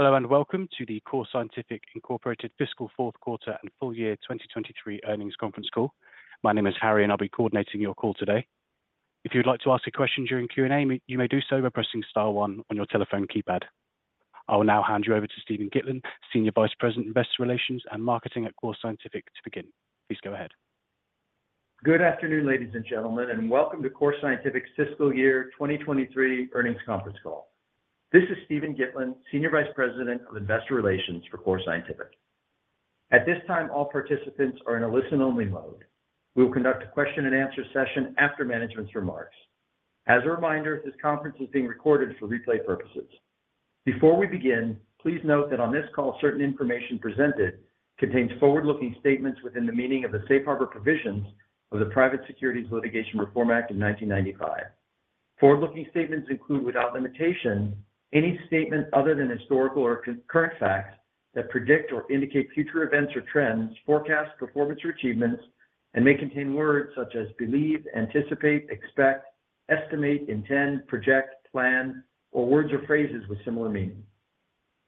Hello and welcome to the Core Scientific, Inc. fiscal fourth quarter and full year 2023 earnings conference call. My name is Harry and I'll be coordinating your call today. If you would like to ask a question during Q&A, you may do so by pressing star one on your telephone keypad. I will now hand you over to Steven Gitlin, Senior Vice President, Investor Relations and Marketing at Core Scientific to begin. Please go ahead. Good afternoon, ladies and gentlemen, and welcome to Core Scientific's fiscal year 2023 earnings conference call. This is Steven Gitlin, Senior Vice President of Investor Relations for Core Scientific. At this time, all participants are in a listen-only mode. We will conduct a question-and-answer session after management's remarks. As a reminder, this conference is being recorded for replay purposes. Before we begin, please note that on this call certain information presented contains forward-looking statements within the meaning of the Safe Harbor provisions of the Private Securities Litigation Reform Act of 1995. Forward-looking statements include, without limitation, any statement other than historical or current facts that predict or indicate future events or trends, forecast performance or achievements, and may contain words such as believe, anticipate, expect, estimate, intend, project, plan, or words or phrases with similar meaning.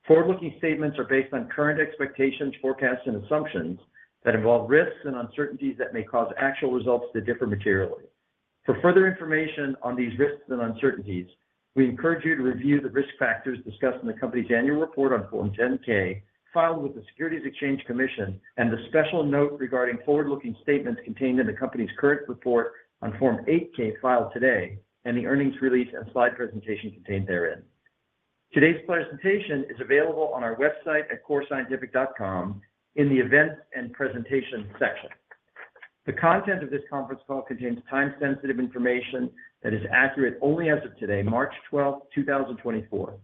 Forward-looking statements are based on current expectations, forecasts, and assumptions that involve risks and uncertainties that may cause actual results to differ materially. For further information on these risks and uncertainties, we encourage you to review the risk factors discussed in the company's annual report on Form 10-K filed with the Securities and Exchange Commission and the special note regarding forward-looking statements contained in the company's current report on Form 8-K filed today and the earnings release and slide presentation contained therein. Today's presentation is available on our website at corescientific.com in the events and presentations section. The content of this conference call contains time-sensitive information that is accurate only as of today, March 12, 2024.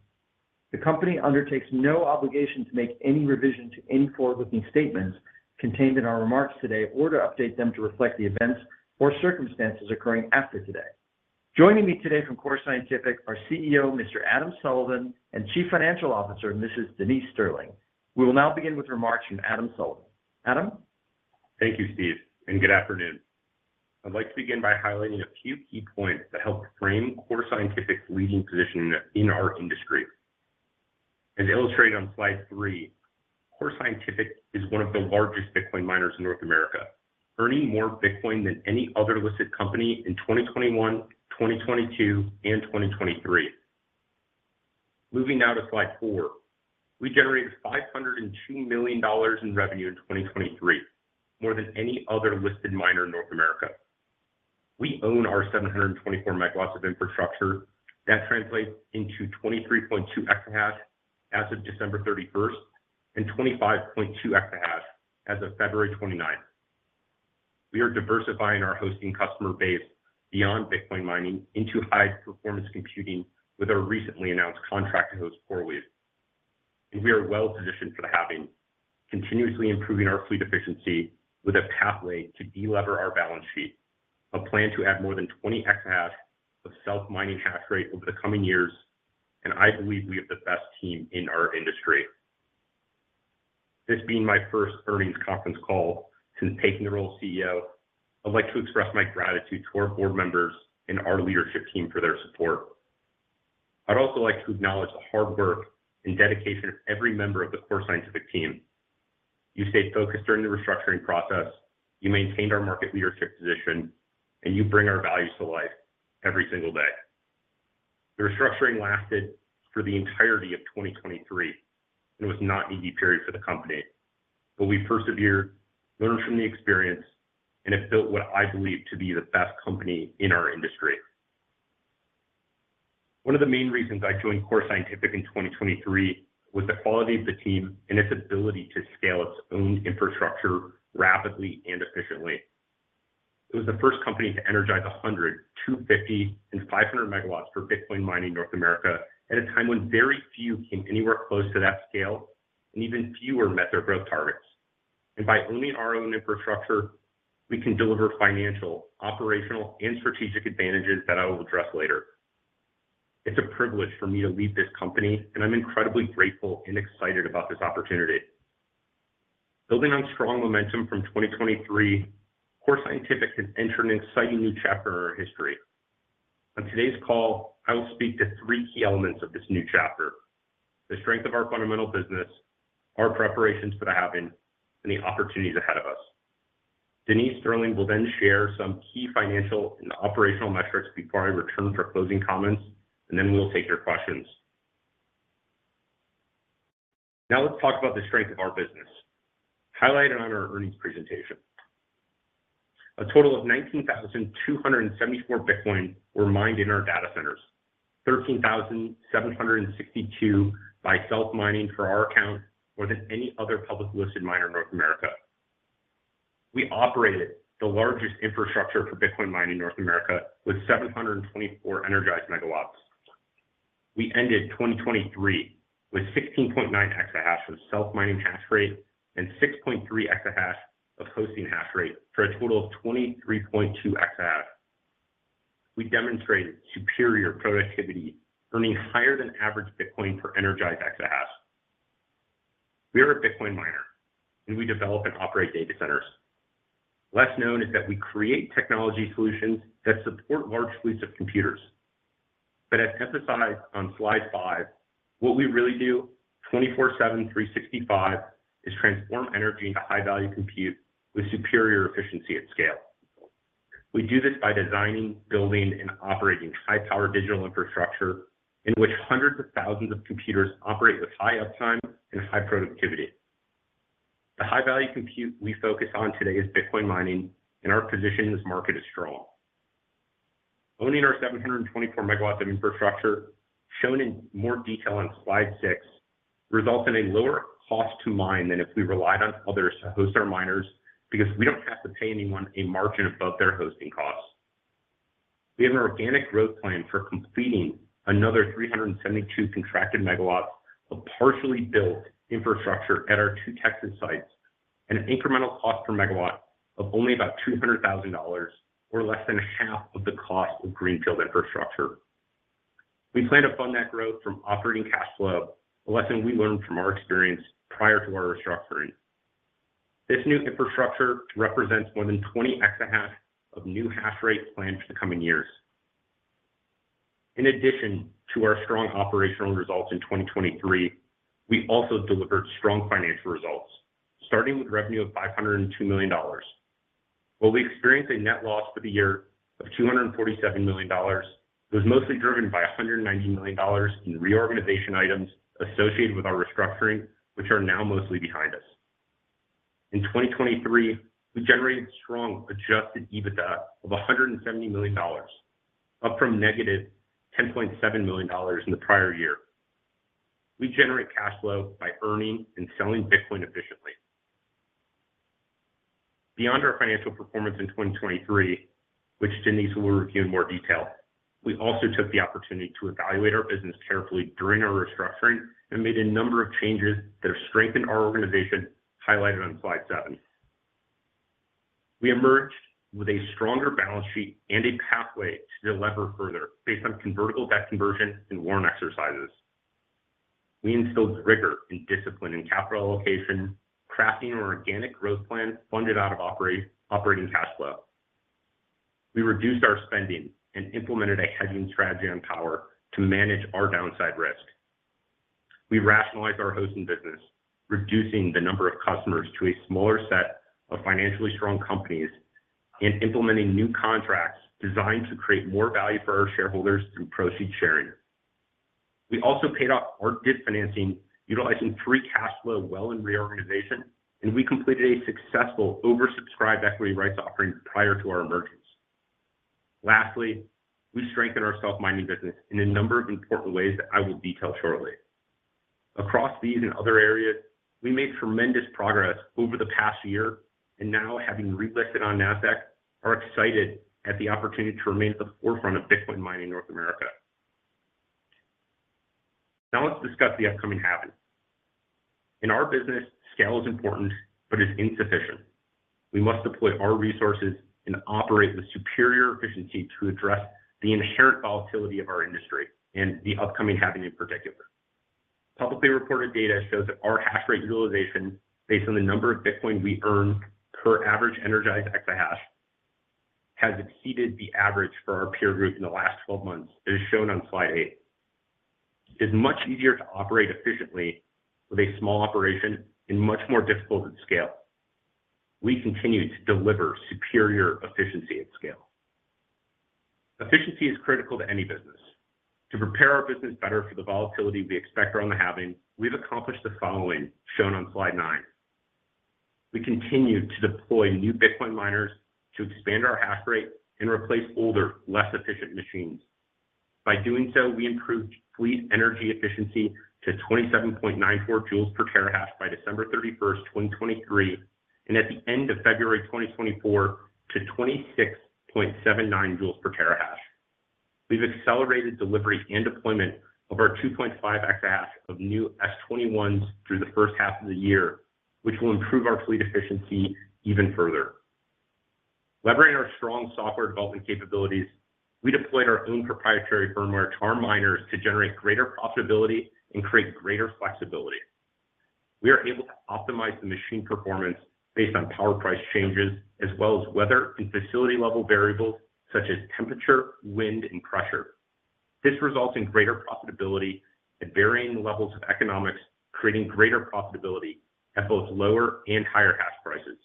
The company undertakes no obligation to make any revision to any forward-looking statements contained in our remarks today or to update them to reflect the events or circumstances occurring after today. Joining me today from Core Scientific are CEO Mr. Adam Sullivan and Chief Financial Officer Mrs. Denise Sterling. We will now begin with remarks from Adam Sullivan. Adam? Thank you, Steve, and good afternoon. I'd like to begin by highlighting a few key points that help frame Core Scientific's leading position in our industry. As illustrated on slide 3, Core Scientific is one of the largest Bitcoin miners in North America, earning more Bitcoin than any other listed company in 2021, 2022, and 2023. Moving now to slide 4, we generated $502 million in revenue in 2023, more than any other listed miner in North America. We own our 724 MW of infrastructure that translates into 23.2 EH/s as of December 31 and 25.2 EH/s as of February 29. We are diversifying our hosting customer base beyond Bitcoin mining into high-performance computing with our recently announced contract to host CoreWeave. We are well positioned for the halving, continuously improving our fleet efficiency with a pathway to delever our balance sheet, a plan to add more than 20 EH of self-mining hash rate over the coming years, and I believe we have the best team in our industry. This being my first earnings conference call since taking the role of CEO, I'd like to express my gratitude to our board members and our leadership team for their support. I'd also like to acknowledge the hard work and dedication of every member of the Core Scientific team. You stayed focused during the restructuring process, you maintained our market leadership position, and you bring our values to life every single day. The restructuring lasted for the entirety of 2023 and was not an easy period for the company, but we persevered, learned from the experience, and have built what I believe to be the best company in our industry. One of the main reasons I joined Core Scientific in 2023 was the quality of the team and its ability to scale its own infrastructure rapidly and efficiently. It was the first company to energize 100 MW, 250 MW, and 500 MW for Bitcoin mining in North America at a time when very few came anywhere close to that scale and even fewer met their growth targets. And by owning our own infrastructure, we can deliver financial, operational, and strategic advantages that I will address later. It's a privilege for me to lead this company, and I'm incredibly grateful and excited about this opportunity. Building on strong momentum from 2023, Core Scientific has entered an exciting new chapter in our history. On today's call, I will speak to three key elements of this new chapter: the strength of our fundamental business, our preparations for the halving, and the opportunities ahead of us. Denise Sterling will then share some key financial and operational metrics before I return for closing comments, and then we'll take your questions. Now let's talk about the strength of our business, highlighted on our earnings presentation. A total of 19,274 Bitcoin were mined in our data centers, 13,762 by self-mining for our account, more than any other publicly listed miner in North America. We operated the largest infrastructure for Bitcoin mining in North America with 724 energized MW. We ended 2023 with 16.9 EH of self-mining hash rate and 6.3 EH of hosting hash rate for a total of 23.2 EH. We demonstrated superior productivity, earning higher than average Bitcoin per energized EH/s. We are a Bitcoin miner, and we develop and operate data centers. Less known is that we create technology solutions that support large fleets of computers. But as emphasized on slide 5, what we really do 24/7, 365 is transform energy into high-value compute with superior efficiency at scale. We do this by designing, building, and operating high-power digital infrastructure in which hundreds of thousands of computers operate with high uptime and high productivity. The high-value compute we focus on today is Bitcoin mining, and our position as a market is strong. Owning our 724 MW of infrastructure, shown in more detail on slide 6, results in a lower cost to mine than if we relied on others to host our miners because we don't have to pay anyone a margin above their hosting costs. We have an organic growth plan for completing another 372 contracted MW of partially built infrastructure at our two Texas sites and an incremental cost per MW of only about $200,000 or less than half of the cost of greenfield infrastructure. We plan to fund that growth from operating cash flow, a lesson we learned from our experience prior to our restructuring. This new infrastructure represents more than 20 EH of new hash rate planned for the coming years. In addition to our strong operational results in 2023, we also delivered strong financial results, starting with revenue of $502 million. While we experienced a net loss for the year of $247 million, it was mostly driven by $190 million in reorganization items associated with our restructuring, which are now mostly behind us. In 2023, we generated strong Adjusted EBITDA of $170 million, up from negative $10.7 million in the prior year. We generate cash flow by earning and selling Bitcoin efficiently. Beyond our financial performance in 2023, which Denise will review in more detail, we also took the opportunity to evaluate our business carefully during our restructuring and made a number of changes that have strengthened our organization, highlighted on slide 7. We emerged with a stronger balance sheet and a pathway to delever further based on convertible debt conversion and warrant exercises. We instilled rigor and discipline in capital allocation, crafting an organic growth plan funded out of operating cash flow. We reduced our spending and implemented a hedging strategy on power to manage our downside risk. We rationalized our hosting business, reducing the number of customers to a smaller set of financially strong companies and implementing new contracts designed to create more value for our shareholders through proceeds sharing. We also paid off our debt financing utilizing free cash flow well in reorganization, and we completed a successful oversubscribed equity rights offering prior to our emergence. Lastly, we strengthened our self-mining business in a number of important ways that I will detail shortly. Across these and other areas, we made tremendous progress over the past year, and now having relisted on NASDAQ, are excited at the opportunity to remain at the forefront of Bitcoin mining in North America. Now let's discuss the upcoming Halving. In our business, scale is important but is insufficient. We must deploy our resources and operate with superior efficiency to address the inherent volatility of our industry and the upcoming Halving in particular. Publicly reported data shows that our hashrate utilization based on the number of Bitcoin we earn per average energized EH has exceeded the average for our peer group in the last 12 months, as shown on slide 8. It's much easier to operate efficiently with a small operation and much more difficult at scale. We continue to deliver superior efficiency at scale. Efficiency is critical to any business. To prepare our business better for the volatility we expect around the halving, we've accomplished the following, shown on slide 9. We continue to deploy new Bitcoin miners to expand our hashrate and replace older, less efficient machines. By doing so, we improved fleet energy efficiency to 27.94 joules per terahash by December 31, 2023, and at the end of February 2024 to 26.79 joules per terahash. We've accelerated delivery and deployment of our 2.5 EH/s of new S21s through the first half of the year, which will improve our fleet efficiency even further. Leveraging our strong software development capabilities, we deployed our own proprietary firmware to our miners to generate greater profitability and create greater flexibility. We are able to optimize the machine performance based on power price changes as well as weather and facility-level variables such as temperature, wind, and pressure. This results in greater profitability at varying levels of economics, creating greater profitability at both lower and higher hash prices.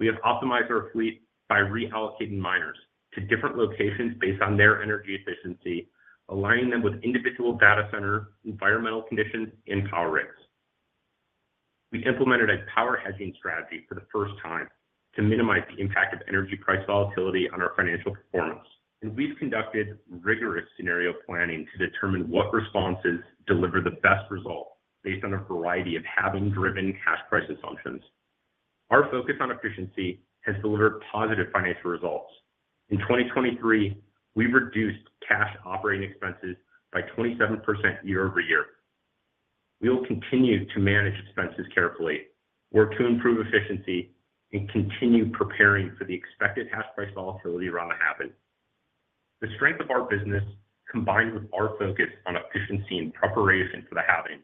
We have optimized our fleet by reallocating miners to different locations based on their energy efficiency, aligning them with individual data center environmental conditions and power risks. We implemented a power hedging strategy for the first time to minimize the impact of energy price volatility on our financial performance, and we've conducted rigorous scenario planning to determine what responses deliver the best result based on a variety of halving-driven cash price assumptions. Our focus on efficiency has delivered positive financial results. In 2023, we reduced cash operating expenses by 27% year over year. We will continue to manage expenses carefully, work to improve efficiency, and continue preparing for the expected hash price volatility around the halving. The strength of our business, combined with our focus on efficiency and preparation for the halving,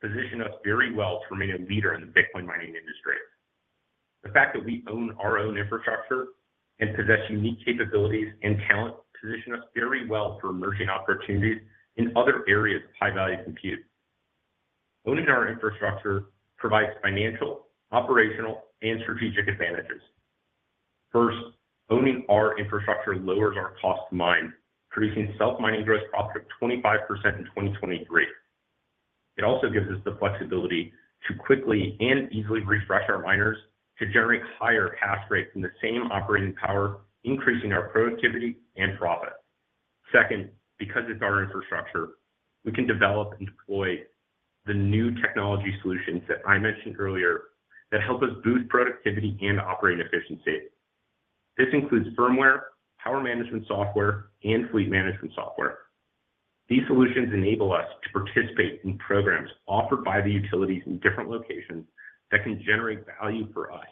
position us very well to remain a leader in the Bitcoin mining industry. The fact that we own our own infrastructure and possess unique capabilities and talent position us very well for emerging opportunities in other areas of high-value compute. Owning our infrastructure provides financial, operational, and strategic advantages. First, owning our infrastructure lowers our cost to mine, producing self-mining gross profit of 25% in 2023. It also gives us the flexibility to quickly and easily refresh our miners to generate higher hash rates in the same operating power, increasing our productivity and profit. Second, because it's our infrastructure, we can develop and deploy the new technology solutions that I mentioned earlier that help us boost productivity and operating efficiency. This includes firmware, power management software, and fleet management software. These solutions enable us to participate in programs offered by the utilities in different locations that can generate value for us.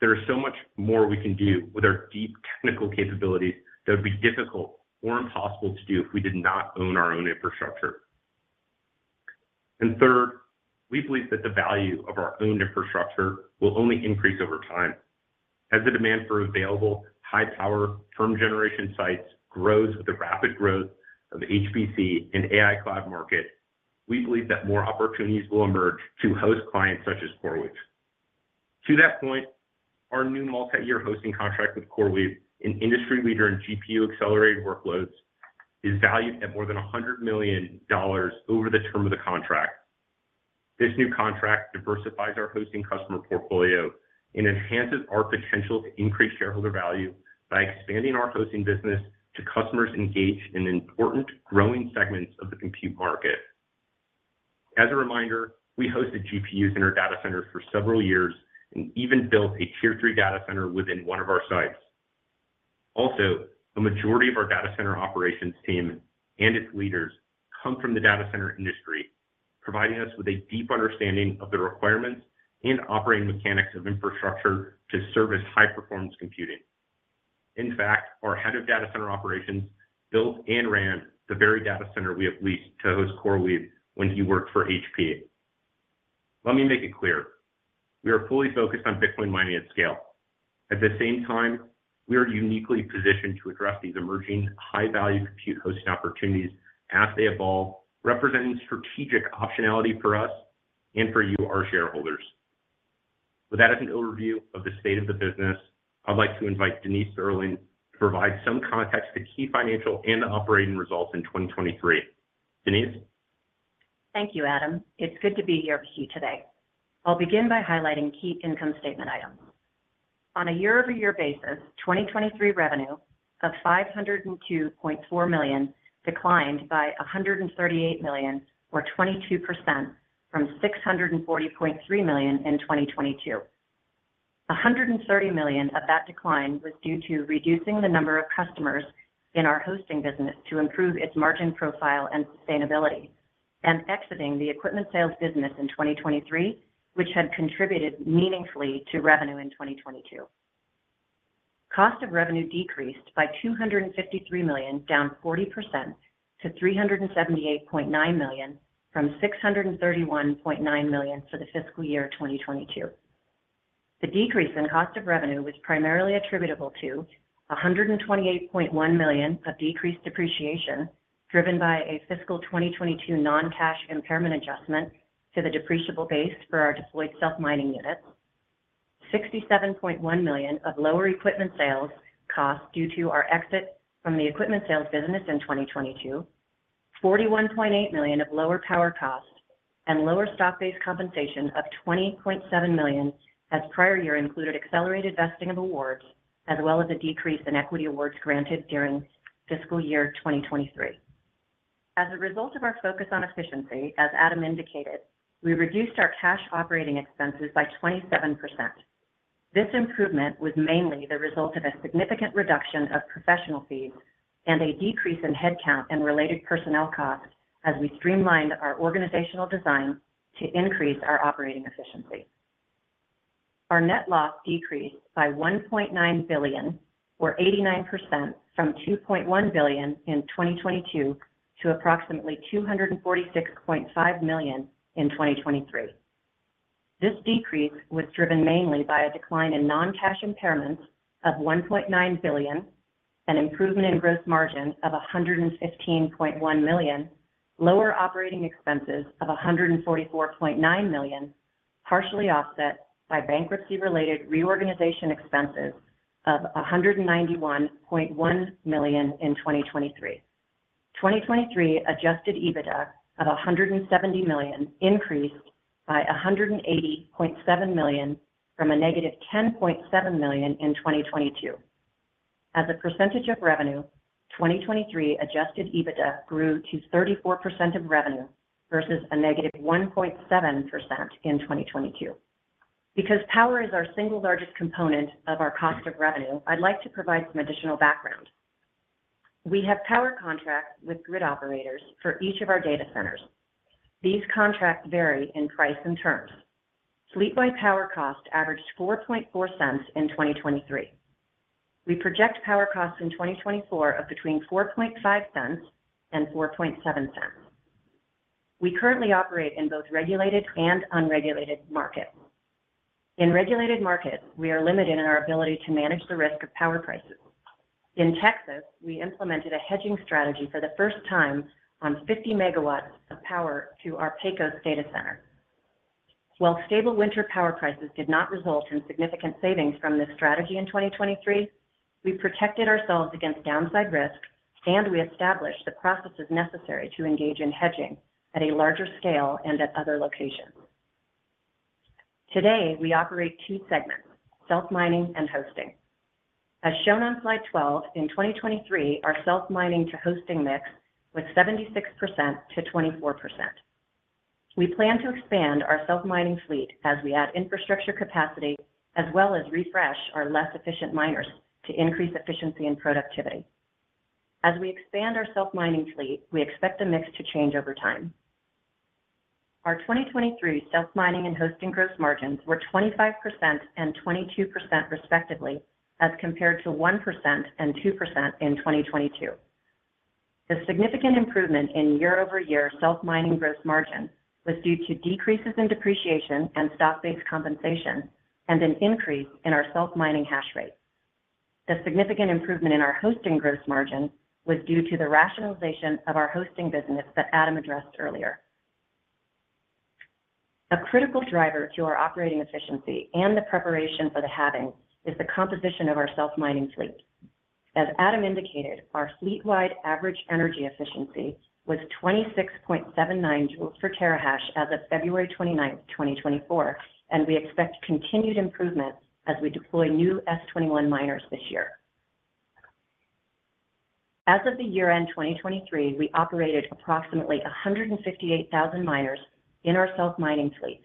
There is so much more we can do with our deep technical capabilities that would be difficult or impossible to do if we did not own our own infrastructure. And third, we believe that the value of our own infrastructure will only increase over time. As the demand for available high-power firm generation sites grows with the rapid growth of the HPC and AI cloud market, we believe that more opportunities will emerge to host clients such as CoreWeave. To that point, our new multi-year hosting contract with CoreWeave, an industry leader in GPU accelerated workloads, is valued at more than $100 million over the term of the contract. This new contract diversifies our hosting customer portfolio and enhances our potential to increase shareholder value by expanding our hosting business to customers engaged in important, growing segments of the compute market. As a reminder, we hosted GPUs in our data centers for several years and even built a Tier 3 data center within one of our sites. Also, a majority of our data center operations team and its leaders come from the data center industry, providing us with a deep understanding of the requirements and operating mechanics of infrastructure to service high-performance computing. In fact, our head of data center operations built and ran the very data center we have leased to host CoreWeave when he worked for HP. Let me make it clear. We are fully focused on Bitcoin mining at scale. At the same time, we are uniquely positioned to address these emerging high-value compute hosting opportunities as they evolve, representing strategic optionality for us and for you, our shareholders. With that as an overview of the state of the business, I'd like to invite Denise Sterling to provide some context to key financial and operating results in 2023. Denise? Thank you, Adam. It's good to be here with you today. I'll begin by highlighting key income statement items. On a year-over-year basis, 2023 revenue of $502.4 million declined by $138 million, or 22%, from $640.3 million in 2022. $130 million of that decline was due to reducing the number of customers in our hosting business to improve its margin profile and sustainability, and exiting the equipment sales business in 2023, which had contributed meaningfully to revenue in 2022. Cost of revenue decreased by $253 million, down 40%, to $378.9 million from $631.9 million for the fiscal year 2022. The decrease in cost of revenue was primarily attributable to $128.1 million of decreased depreciation driven by a fiscal 2022 non-cash impairment adjustment to the depreciable base for our deployed self-mining units, $67.1 million of lower equipment sales cost due to our exit from the equipment sales business in 2022, $41.8 million of lower power cost, and lower stock-based compensation of $20.7 million as prior year included accelerated vesting of awards as well as a decrease in equity awards granted during fiscal year 2023. As a result of our focus on efficiency, as Adam indicated, we reduced our cash operating expenses by 27%. This improvement was mainly the result of a significant reduction of professional fees and a decrease in headcount and related personnel costs as we streamlined our organizational design to increase our operating efficiency. Our net loss decreased by $1.9 billion, or 89%, from $2.1 billion in 2022 to approximately $246.5 million in 2023. This decrease was driven mainly by a decline in non-cash impairments of $1.9 billion, an improvement in gross margin of $115.1 million, lower operating expenses of $144.9 million, partially offset by bankruptcy-related reorganization expenses of $191.1 million in 2023. 2023 Adjusted EBITDA of $170 million increased by $180.7 million from -$10.7 million in 2022. As a percentage of revenue, 2023 Adjusted EBITDA grew to 34% of revenue versus -1.7% in 2022. Because power is our single largest component of our cost of revenue, I'd like to provide some additional background. We have power contracts with grid operators for each of our data centers. These contracts vary in price and terms. Fleet-wide power cost averaged $0.044 in 2023. We project power costs in 2024 of between $0.045 and $0.047. We currently operate in both regulated and unregulated markets. In regulated markets, we are limited in our ability to manage the risk of power prices. In Texas, we implemented a hedging strategy for the first time on 50 MW of power to our Pecos data center. While stable winter power prices did not result in significant savings from this strategy in 2023, we protected ourselves against downside risk, and we established the processes necessary to engage in hedging at a larger scale and at other locations. Today, we operate two segments: self-mining and hosting. As shown on slide 12, in 2023, our self-mining to hosting mix was 76%-24%. We plan to expand our self-mining fleet as we add infrastructure capacity as well as refresh our less efficient miners to increase efficiency and productivity. As we expand our self-mining fleet, we expect the mix to change over time. Our 2023 self-mining and hosting gross margins were 25% and 22% respectively as compared to 1% and 2% in 2022. The significant improvement in year-over-year self-mining gross margin was due to decreases in depreciation and stock-based compensation and an increase in our self-mining hash rate. The significant improvement in our hosting gross margin was due to the rationalization of our hosting business that Adam addressed earlier. A critical driver to our operating efficiency and the preparation for the Halving is the composition of our self-mining fleet. As Adam indicated, our fleet-wide average energy efficiency was 26.79 joules per terahash as of February 29, 2024, and we expect continued improvements as we deploy new S21 miners this year. As of the year-end 2023, we operated approximately 158,000 miners in our self-mining fleet.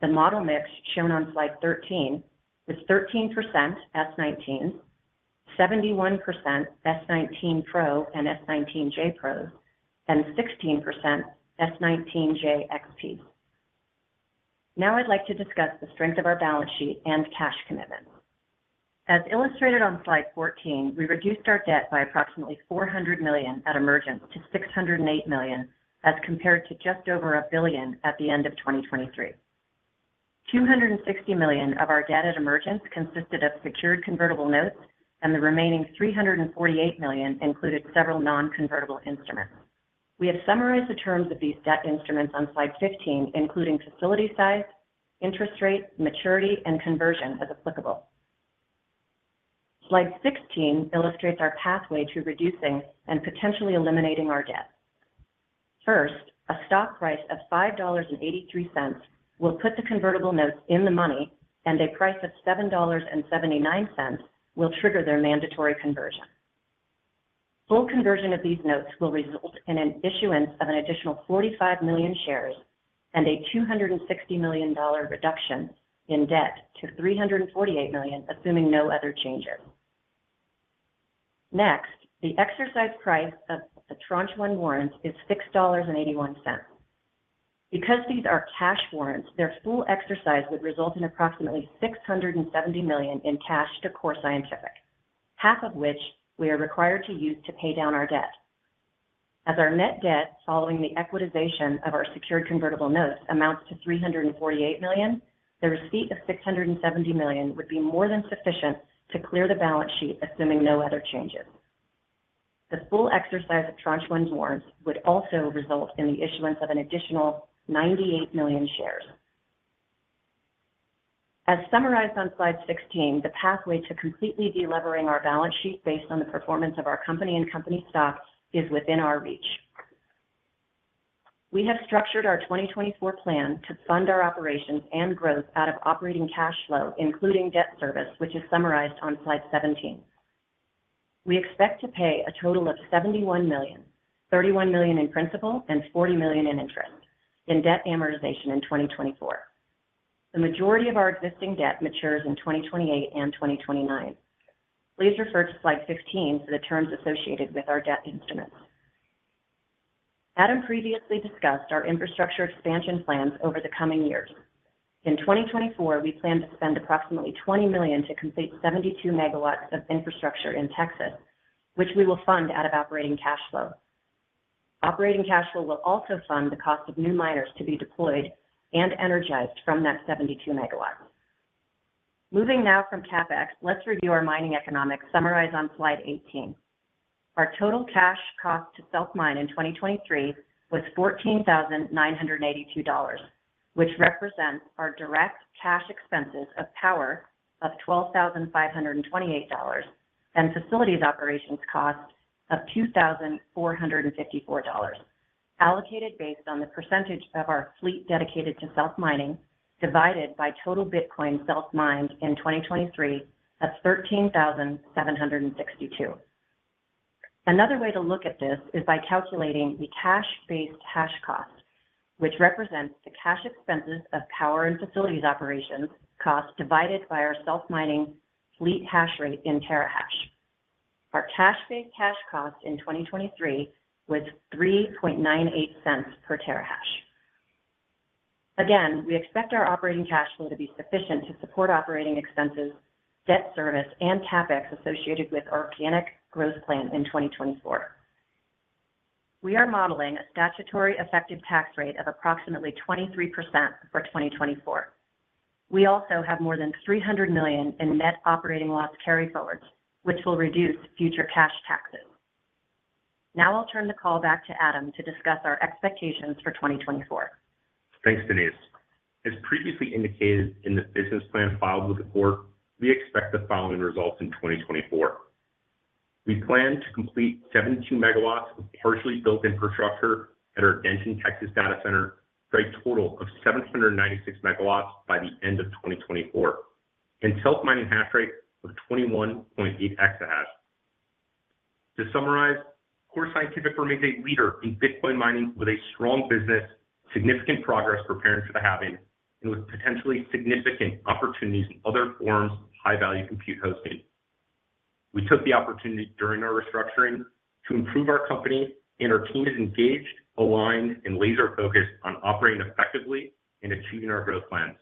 The model mix, shown on slide 13, was 13% S19, 71% S19 Pro and S19j Pros, and 16% S19j XPs. Now I'd like to discuss the strength of our balance sheet and cash commitments. As illustrated on slide 14, we reduced our debt by approximately $400 million at emergence to $608 million as compared to just over $1 billion at the end of 2023. $260 million of our debt at emergence consisted of secured convertible notes, and the remaining $348 million included several non-convertible instruments. We have summarized the terms of these debt instruments on slide 15, including facility size, interest rate, maturity, and conversion as applicable. Slide 16 illustrates our pathway to reducing and potentially eliminating our debt. First, a stock price of $5.83 will put the convertible notes in the money, and a price of $7.79 will trigger their mandatory conversion. Full conversion of these notes will result in an issuance of an additional 45 million shares and a $260 million reduction in debt to $348 million, assuming no other changes. Next, the exercise price of the tranche one warrants is $6.81. Because these are cash warrants, their full exercise would result in approximately $670 million in cash to Core Scientific, half of which we are required to use to pay down our debt. As our net debt following the equitization of our secured convertible notes amounts to $348 million, the receipt of $670 million would be more than sufficient to clear the balance sheet, assuming no other changes. The full exercise of tranche one warrants would also result in the issuance of an additional 98 million shares. As summarized on slide 16, the pathway to completely delevering our balance sheet based on the performance of our company and company stock is within our reach. We have structured our 2024 plan to fund our operations and growth out of operating cash flow, including debt service, which is summarized on slide 17. We expect to pay a total of $71 million, $31 million in principal, and $40 million in interest in debt amortization in 2024. The majority of our existing debt matures in 2028 and 2029. Please refer to slide 15 for the terms associated with our debt instruments. Adam previously discussed our infrastructure expansion plans over the coming years. In 2024, we plan to spend approximately $20 million to complete 72 MW of infrastructure in Texas, which we will fund out of operating cash flow. Operating cash flow will also fund the cost of new miners to be deployed and energized from that 72 MW. Moving now from CapEx, let's review our mining economics summarized on slide 18. Our total cash cost to self-mine in 2023 was $14,982, which represents our direct cash expenses of power of $12,528 and facilities operations cost of $2,454, allocated based on the percentage of our fleet dedicated to self-mining divided by total Bitcoin self-mined in 2023 of $13,762. Another way to look at this is by calculating the cash-based hash cost, which represents the cash expenses of power and facilities operations cost divided by our self-mining fleet hash rate in terahash. Our cash-based hash cost in 2023 was $3.98 per terahash. Again, we expect our operating cash flow to be sufficient to support operating expenses, debt service, and CapEx associated with our organic growth plan in 2024. We are modeling a statutory effective tax rate of approximately 23% for 2024. We also have more than $300 million in net operating loss carryforwards, which will reduce future cash taxes. Now I'll turn the call back to Adam to discuss our expectations for 2024. Thanks, Denise. As previously indicated in the business plan filed with the board, we expect the following results in 2024. We plan to complete 72 MW of partially built infrastructure at our Denton, Texas data center for a total of 796 MW by the end of 2024, and self-mining hash rate of 21.8 EH/s. To summarize, Core Scientific remains a leader in Bitcoin mining with a strong business, significant progress preparing for the halving, and with potentially significant opportunities in other forms of high-value compute hosting. We took the opportunity during our restructuring to improve our company, and our team is engaged, aligned, and laser-focused on operating effectively and achieving our growth plans.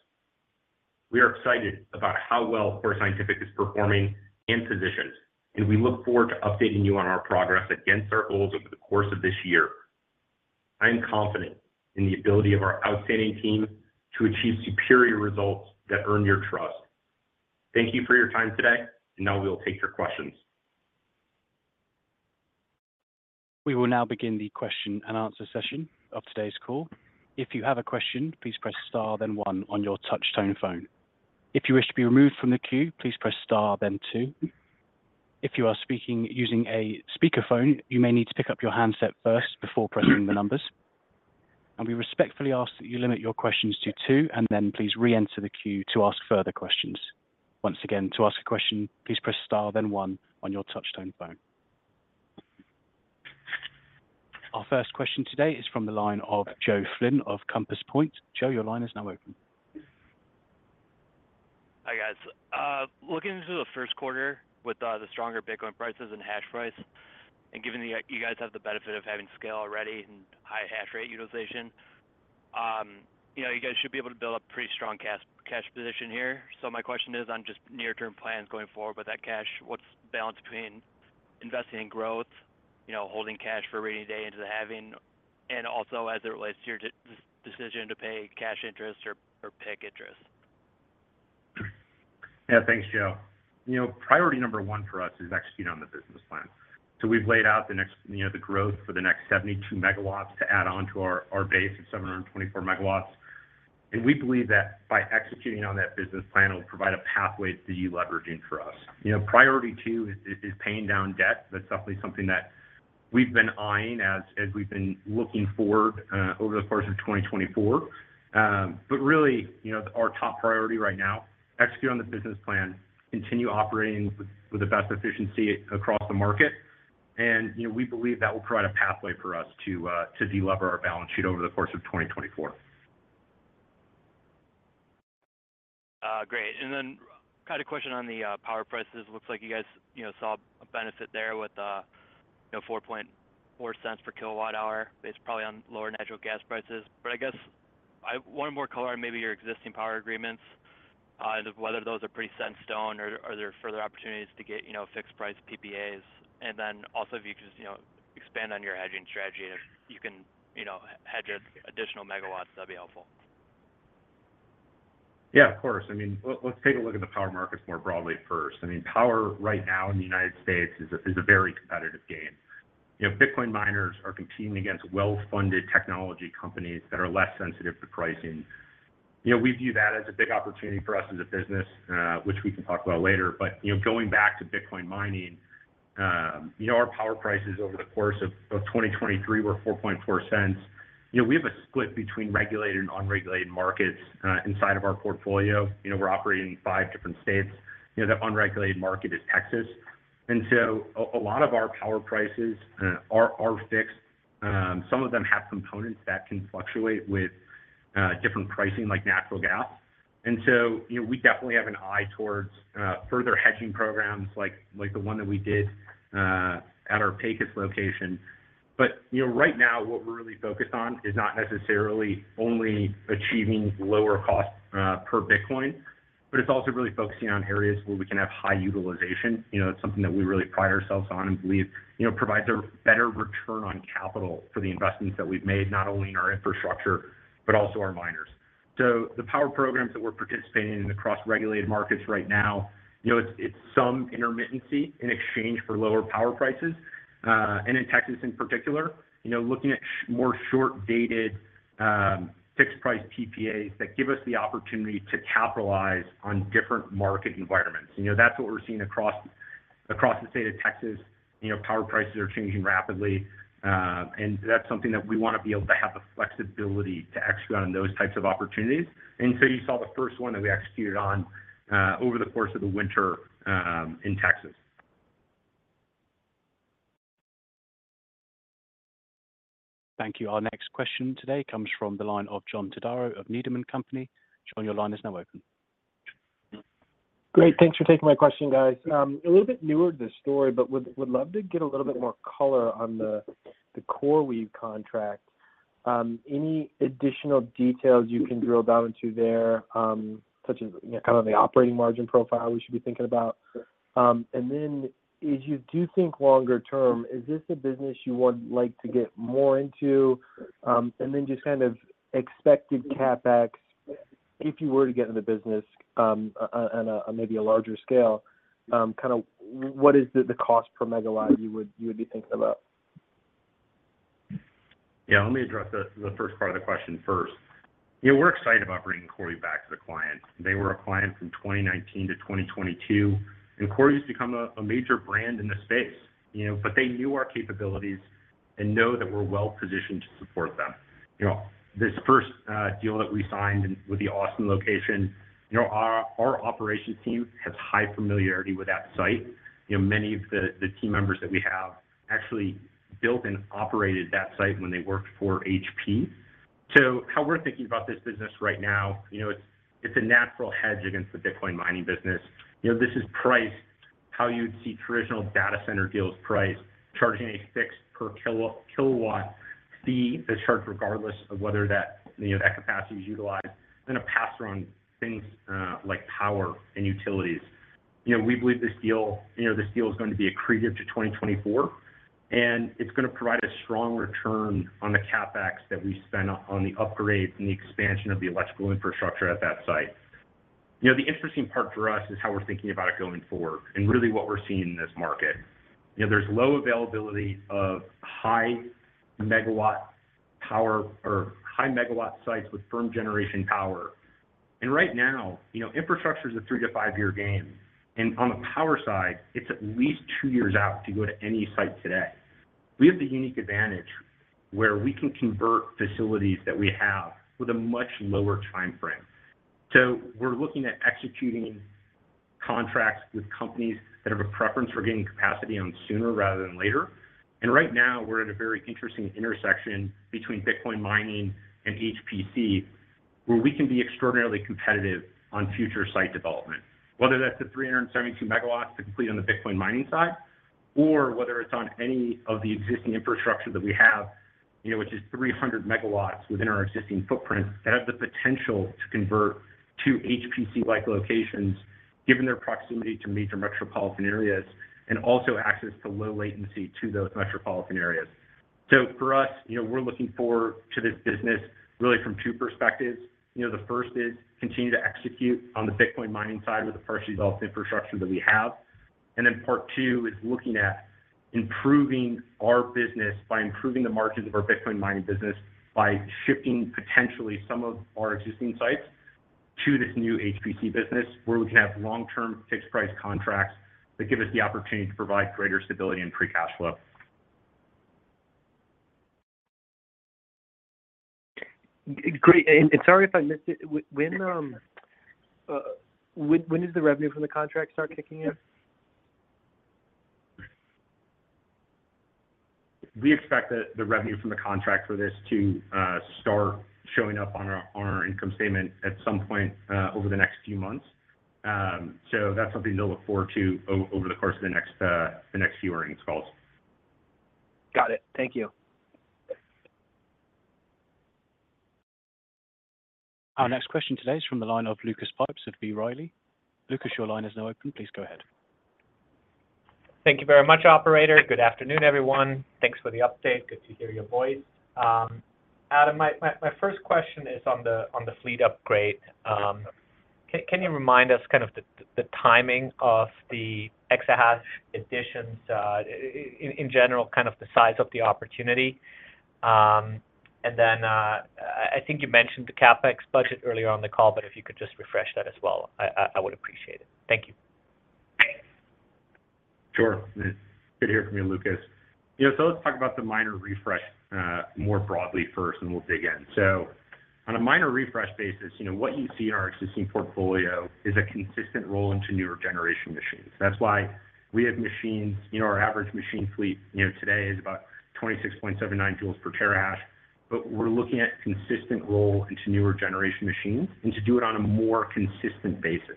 We are excited about how well Core Scientific is performing and positioned, and we look forward to updating you on our progress against our goals over the course of this year. I am confident in the ability of our outstanding team to achieve superior results that earn your trust. Thank you for your time today, and now we will take your questions. We will now begin the question and answer session of today's call. If you have a question, please press star, then one, on your touch-tone phone. If you wish to be removed from the queue, please press star, then two. If you are speaking using a speakerphone, you may need to pick up your handset first before pressing the numbers. We respectfully ask that you limit your questions to two, and then please re-enter the queue to ask further questions. Once again, to ask a question, please press star, then one, on your touch-tone phone. Our first question today is from the line of Joe Flynn of Compass Point. Joe, your line is now open. Hi guys. Looking into the first quarter with the stronger Bitcoin prices and hash price, and given that you guys have the benefit of having scale already and high hash rate utilization, you guys should be able to build up a pretty strong cash position here. So my question is on just near-term plans going forward with that cash, what's the balance between investing in growth, holding cash for a rainy day into the halving, and also as it relates to your decision to pay cash interest or pay interest? Yeah, thanks, Joe. Priority number one for us is executing on the business plan. So we've laid out the growth for the next 72 MW to add onto our base of 724 MW. And we believe that by executing on that business plan, it will provide a pathway to deleveraging for us. Priority two is paying down debt. That's definitely something that we've been eyeing as we've been looking forward over the course of 2024. But really, our top priority right now, execute on the business plan, continue operating with the best efficiency across the market. And we believe that will provide a pathway for us to delever our balance sheet over the course of 2024. Great. And then kind of question on the power prices. Looks like you guys saw a benefit there with $0.044 per kWh based probably on lower natural gas prices. But I guess one more color on maybe your existing power agreements and whether those are pretty set in stone or are there further opportunities to get fixed-price PPAs. And then also if you could just expand on your hedging strategy and if you can hedge additional megawatts, that'd be helpful. Yeah, of course. I mean, let's take a look at the power markets more broadly first. I mean, power right now in the United States is a very competitive game. Bitcoin miners are competing against well-funded technology companies that are less sensitive to pricing. We view that as a big opportunity for us as a business, which we can talk about later. But going back to Bitcoin mining, our power prices over the course of 2023 were $0.044. We have a split between regulated and unregulated markets inside of our portfolio. We're operating in five different states. The unregulated market is Texas. And so a lot of our power prices are fixed. Some of them have components that can fluctuate with different pricing like natural gas. And so we definitely have an eye towards further hedging programs like the one that we did at our Pecos location. But right now, what we're really focused on is not necessarily only achieving lower cost per Bitcoin, but it's also really focusing on areas where we can have high utilization. It's something that we really pride ourselves on and believe provides a better return on capital for the investments that we've made, not only in our infrastructure, but also our miners. So the power programs that we're participating in across regulated markets right now, it's some intermittency in exchange for lower power prices. And in Texas in particular, looking at more short-dated fixed-price PPAs that give us the opportunity to capitalize on different market environments. That's what we're seeing across the state of Texas. Power prices are changing rapidly, and that's something that we want to be able to have the flexibility to execute on those types of opportunities. And so you saw the first one that we executed on over the course of the winter in Texas. Thank you. Our next question today comes from the line of John Todaro of Needham & Company. John, your line is now open. Great. Thanks for taking my question, guys. A little bit newer to the story, but would love to get a little bit more color on the CoreWeave contract. Any additional details you can drill down into there, such as kind of the operating margin profile we should be thinking about? And then, as you do think longer term, is this a business you would like to get more into? And then just kind of expected CapEx if you were to get into the business on maybe a larger scale, kind of what is the cost per megawatt you would be thinking about? Yeah, let me address the first part of the question first. We're excited about bringing CoreWeave back to the client. They were a client from 2019 to 2022, and CoreWeave has become a major brand in the space. But they knew our capabilities and know that we're well-positioned to support them. This first deal that we signed with the Austin location, our operations team has high familiarity with that site. Many of the team members that we have actually built and operated that site when they worked for HP. So how we're thinking about this business right now, it's a natural hedge against the Bitcoin mining business. This is priced how you'd see traditional data center deals priced, charging a fixed per kilowatt fee that's charged regardless of whether that capacity is utilized, and a pass-through on things like power and utilities. We believe this deal is going to be accretive to 2024, and it's going to provide a strong return on the CapEx that we spend on the upgrades and the expansion of the electrical infrastructure at that site. The interesting part for us is how we're thinking about it going forward and really what we're seeing in this market. There's low availability of high-megawatt power or high-megawatt sites with firm generation power. Right now, infrastructure is a three- to five-year game. On the power side, it's at least two years out to go to any site today. We have the unique advantage where we can convert facilities that we have with a much lower timeframe. We're looking at executing contracts with companies that have a preference for getting capacity on sooner rather than later. Right now, we're at a very interesting intersection between Bitcoin mining and HPC where we can be extraordinarily competitive on future site development, whether that's the 372 MW to complete on the Bitcoin mining side or whether it's on any of the existing infrastructure that we have, which is 300 MW within our existing footprint that have the potential to convert to HPC-like locations given their proximity to major metropolitan areas and also access to low latency to those metropolitan areas. So for us, we're looking forward to this business really from two perspectives. The first is continue to execute on the Bitcoin mining side with the partially developed infrastructure that we have. And then part two is looking at improving our business by improving the margins of our Bitcoin mining business by shifting potentially some of our existing sites to this new HPC business where we can have long-term fixed-price contracts that give us the opportunity to provide greater stability and free cash flow. Great. Sorry if I missed it. When does the revenue from the contract start kicking in? We expect the revenue from the contract for this to start showing up on our income statement at some point over the next few months. So that's something to look forward to over the course of the next few earnings calls. Got it. Thank you. Our next question today is from the line of Lucas Pipes of B. Riley. Lucas, your line is now open. Please go ahead. Thank you very much, operator. Good afternoon, everyone. Thanks for the update. Good to hear your voice. Adam, my first question is on the fleet upgrade. Can you remind us kind of the timing of the exahash additions, in general, kind of the size of the opportunity? And then I think you mentioned the CapEx budget earlier on the call, but if you could just refresh that as well, I would appreciate it. Thank you. Sure. Good to hear from you, Lucas. So let's talk about the minor refresh more broadly first, and we'll dig in. So on a minor refresh basis, what you see in our existing portfolio is a consistent roll into newer generation machines. That's why we have machines. Our average machine fleet today is about 26.79 joules per terahash, but we're looking at a consistent roll into newer generation machines and to do it on a more consistent basis.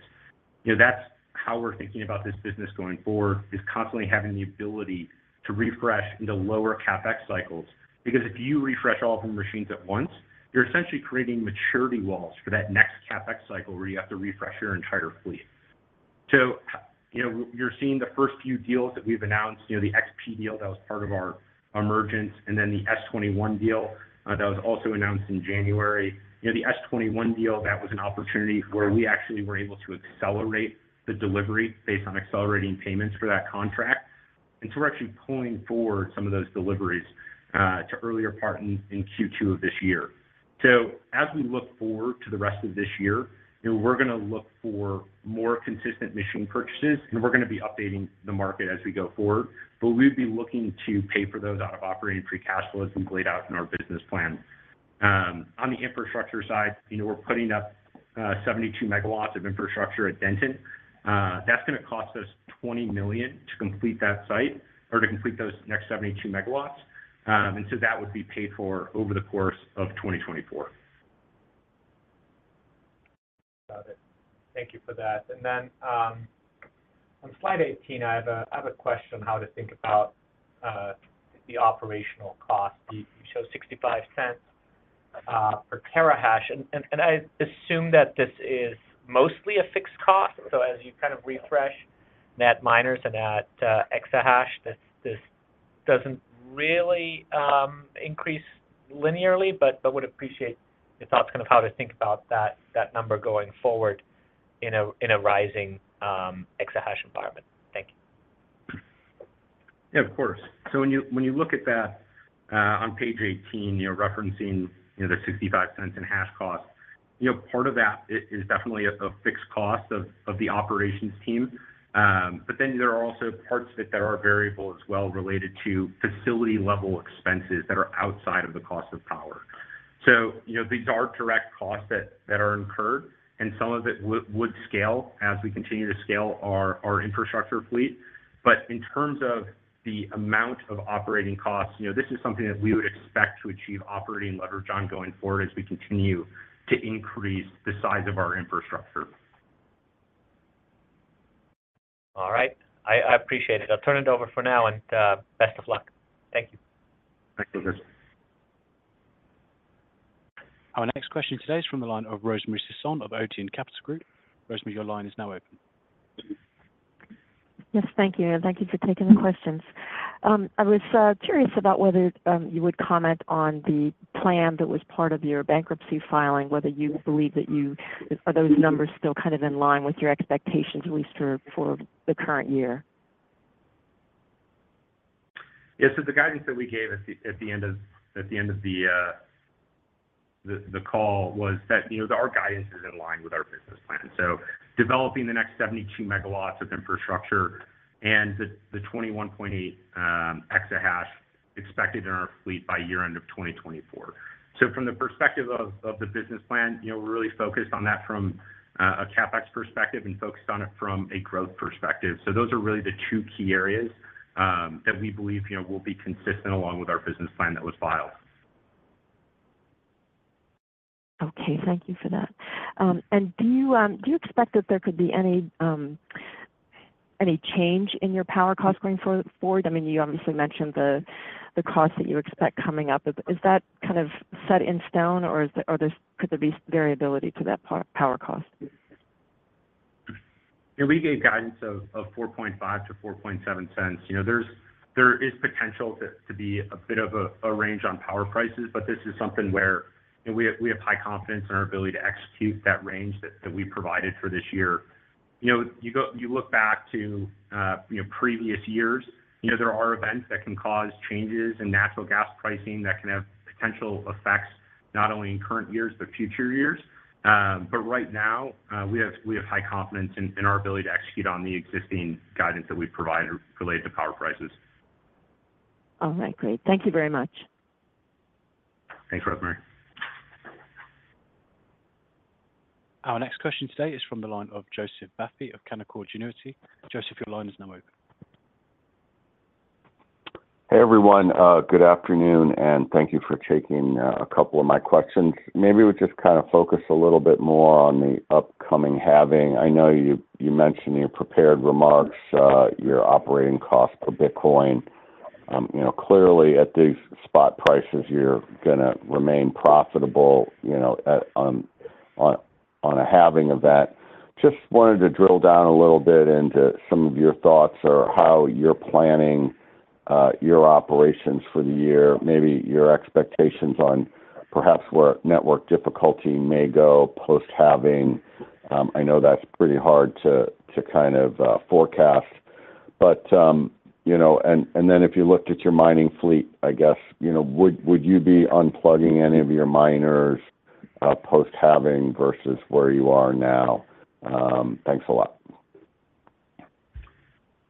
That's how we're thinking about this business going forward, is constantly having the ability to refresh into lower CapEx cycles. Because if you refresh all of the machines at once, you're essentially creating maturity walls for that next CapEx cycle where you have to refresh your entire fleet. So you're seeing the first few deals that we've announced, the XP deal that was part of our emergence, and then the S21 deal that was also announced in January. The S21 deal, that was an opportunity where we actually were able to accelerate the delivery based on accelerating payments for that contract. And so we're actually pulling forward some of those deliveries to earlier parts in Q2 of this year. So as we look forward to the rest of this year, we're going to look for more consistent machine purchases, and we're going to be updating the market as we go forward. But we would be looking to pay for those out of operating free cash flow as we laid out in our business plan. On the infrastructure side, we're putting up 72 MW of infrastructure at Denton. That's going to cost us $20 million to complete that site or to complete those next 72 MW. And so that would be paid for over the course of 2024. Got it. Thank you for that. Then on slide 18, I have a question on how to think about the operational cost. You show $0.65 per terahash. And I assume that this is mostly a fixed cost. So as you kind of refresh net miners and net exahash, this doesn't really increase linearly, but would appreciate your thoughts kind of how to think about that number going forward in a rising exahash environment. Thank you. Yeah, of course. So when you look at that on page 18 referencing the $0.65 in hash cost, part of that is definitely a fixed cost of the operations team. But then there are also parts of it that are variable as well related to facility-level expenses that are outside of the cost of power. So these are direct costs that are incurred, and some of it would scale as we continue to scale our infrastructure fleet. But in terms of the amount of operating costs, this is something that we would expect to achieve operating leverage on going forward as we continue to increase the size of our infrastructure. All right. I appreciate it. I'll turn it over for now, and best of luck. Thank you. Thanks, Lucas. Our next question today is from the line of Rosemary Sisson of Odeon Capital Group. Rosemary, your line is now open. Yes, thank you. Thank you for taking the questions. I was curious about whether you would comment on the plan that was part of your bankruptcy filing, whether you believe that those numbers are still kind of in line with your expectations, at least for the current year. Yeah. So the guidance that we gave at the end of the call was that our guidance is in line with our business plan. So developing the next 72 MW of infrastructure and the 21.8 EH/s expected in our fleet by year-end of 2024. So from the perspective of the business plan, we're really focused on that from a CapEx perspective and focused on it from a growth perspective. So those are really the two key areas that we believe will be consistent along with our business plan that was filed. Okay. Thank you for that. Do you expect that there could be any change in your power cost going forward? I mean, you obviously mentioned the cost that you expect coming up. Is that kind of set in stone, or could there be variability to that power cost? We gave guidance of $0.045-$0.047. There is potential to be a bit of a range on power prices, but this is something where we have high confidence in our ability to execute that range that we provided for this year. You look back to previous years, there are events that can cause changes in natural gas pricing that can have potential effects not only in current years, but future years. But right now, we have high confidence in our ability to execute on the existing guidance that we've provided related to power prices. All right. Great. Thank you very much. Thanks, Rosemary. Our next question today is from the line of Joseph Vafi of Canaccord Genuity. Joseph, your line is now open. Hey, everyone. Good afternoon, and thank you for taking a couple of my questions. Maybe we'd just kind of focus a little bit more on the upcoming Halving. I know you mentioned in your prepared remarks your operating cost per Bitcoin. Clearly, at these spot prices, you're going to remain profitable on a Halving event. Just wanted to drill down a little bit into some of your thoughts or how you're planning your operations for the year, maybe your expectations on perhaps where network difficulty may go post-Halving. I know that's pretty hard to kind of forecast. And then if you looked at your mining fleet, I guess, would you be unplugging any of your miners post-Halving versus where you are now? Thanks a lot.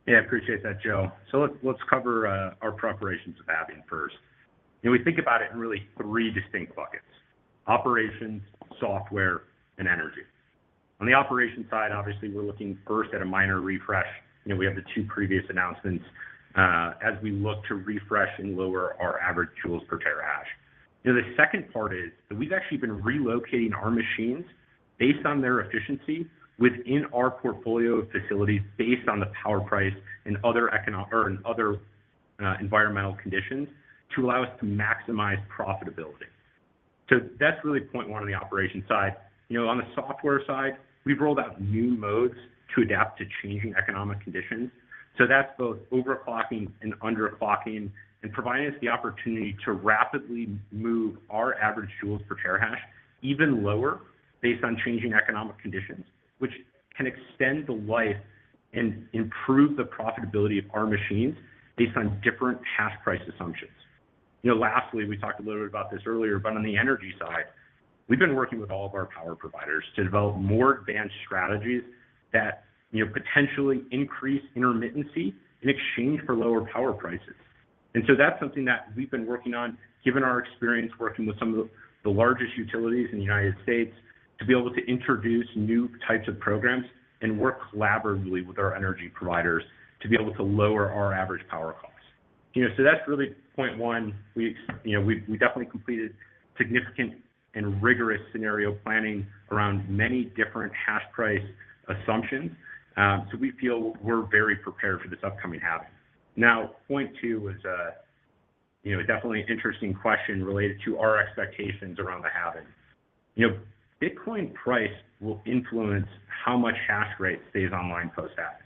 Yeah, I appreciate that, Joe. So let's cover our preparations of halving first. We think about it in really three distinct buckets: operations, software, and energy. On the operations side, obviously, we're looking first at a minor refresh. We have the two previous announcements as we look to refresh and lower our average joules per terahash. The second part is that we've actually been relocating our machines based on their efficiency within our portfolio of facilities based on the power price and other environmental conditions to allow us to maximize profitability. So that's really point one on the operations side. On the software side, we've rolled out new modes to adapt to changing economic conditions. So that's both overclocking and underclocking and providing us the opportunity to rapidly move our average joules per terahash even lower based on changing economic conditions, which can extend the life and improve the profitability of our machines based on different hash price assumptions. Lastly, we talked a little bit about this earlier, but on the energy side, we've been working with all of our power providers to develop more advanced strategies that potentially increase intermittency in exchange for lower power prices. And so that's something that we've been working on given our experience working with some of the largest utilities in the United States to be able to introduce new types of programs and work collaboratively with our energy providers to be able to lower our average power costs. So that's really point one. We definitely completed significant and rigorous scenario planning around many different hash price assumptions. So we feel we're very prepared for this upcoming halving. Now, point two is definitely an interesting question related to our expectations around the halving. Bitcoin price will influence how much hash rate stays online post-halving.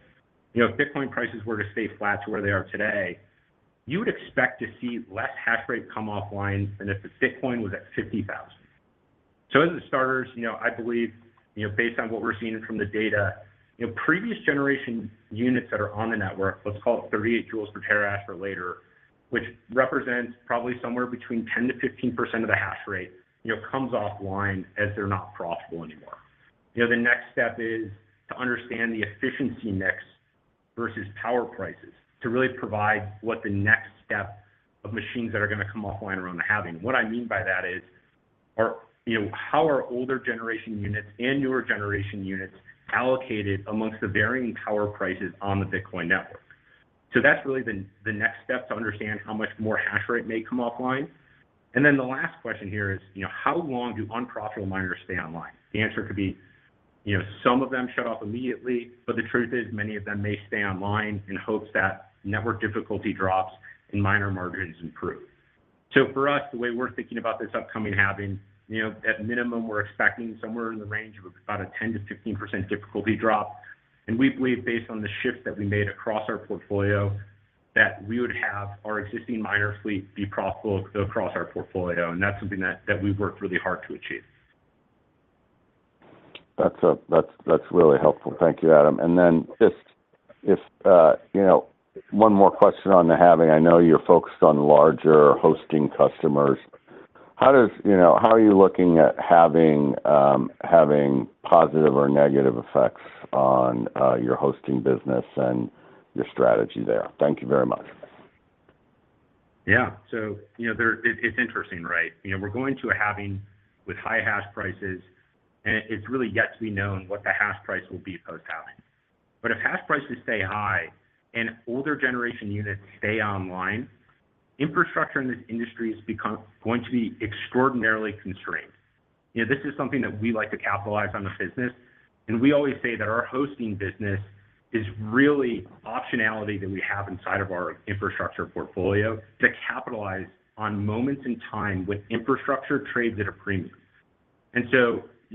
If Bitcoin prices were to stay flat to where they are today, you would expect to see less hash rate come offline than if the Bitcoin was at $50,000. So as a starter, I believe based on what we're seeing from the data, previous generation units that are on the network, let's call it 38 joules per terahash or later, which represents probably somewhere between 10%-15% of the hash rate, comes offline as they're not profitable anymore. The next step is to understand the efficiency mix versus power prices to really provide what the next step of machines that are going to come offline around the halving. What I mean by that is how are older generation units and newer generation units allocated amongst the varying power prices on the Bitcoin network? So that's really the next step to understand how much more hash rate may come offline. And then the last question here is, how long do unprofitable miners stay online? The answer could be some of them shut off immediately, but the truth is many of them may stay online in hopes that network difficulty drops and miner margins improve. So for us, the way we're thinking about this upcoming halving, at minimum, we're expecting somewhere in the range of about a 10%-15% difficulty drop. And we believe based on the shifts that we made across our portfolio that we would have our existing miner fleet be profitable across our portfolio. And that's something that we've worked really hard to achieve. That's really helpful. Thank you, Adam. And then just one more question on the halving. I know you're focused on larger hosting customers. How are you looking at having positive or negative effects on your hosting business and your strategy there? Thank you very much. Yeah. So it's interesting, right? We're going to a halving with high hash prices, and it's really yet to be known what the hash price will be post-halving. But if hash prices stay high and older generation units stay online, infrastructure in this industry is going to be extraordinarily constrained. This is something that we like to capitalize on the business. And we always say that our hosting business is really optionality that we have inside of our infrastructure portfolio to capitalize on moments in time with infrastructure trades at a premium.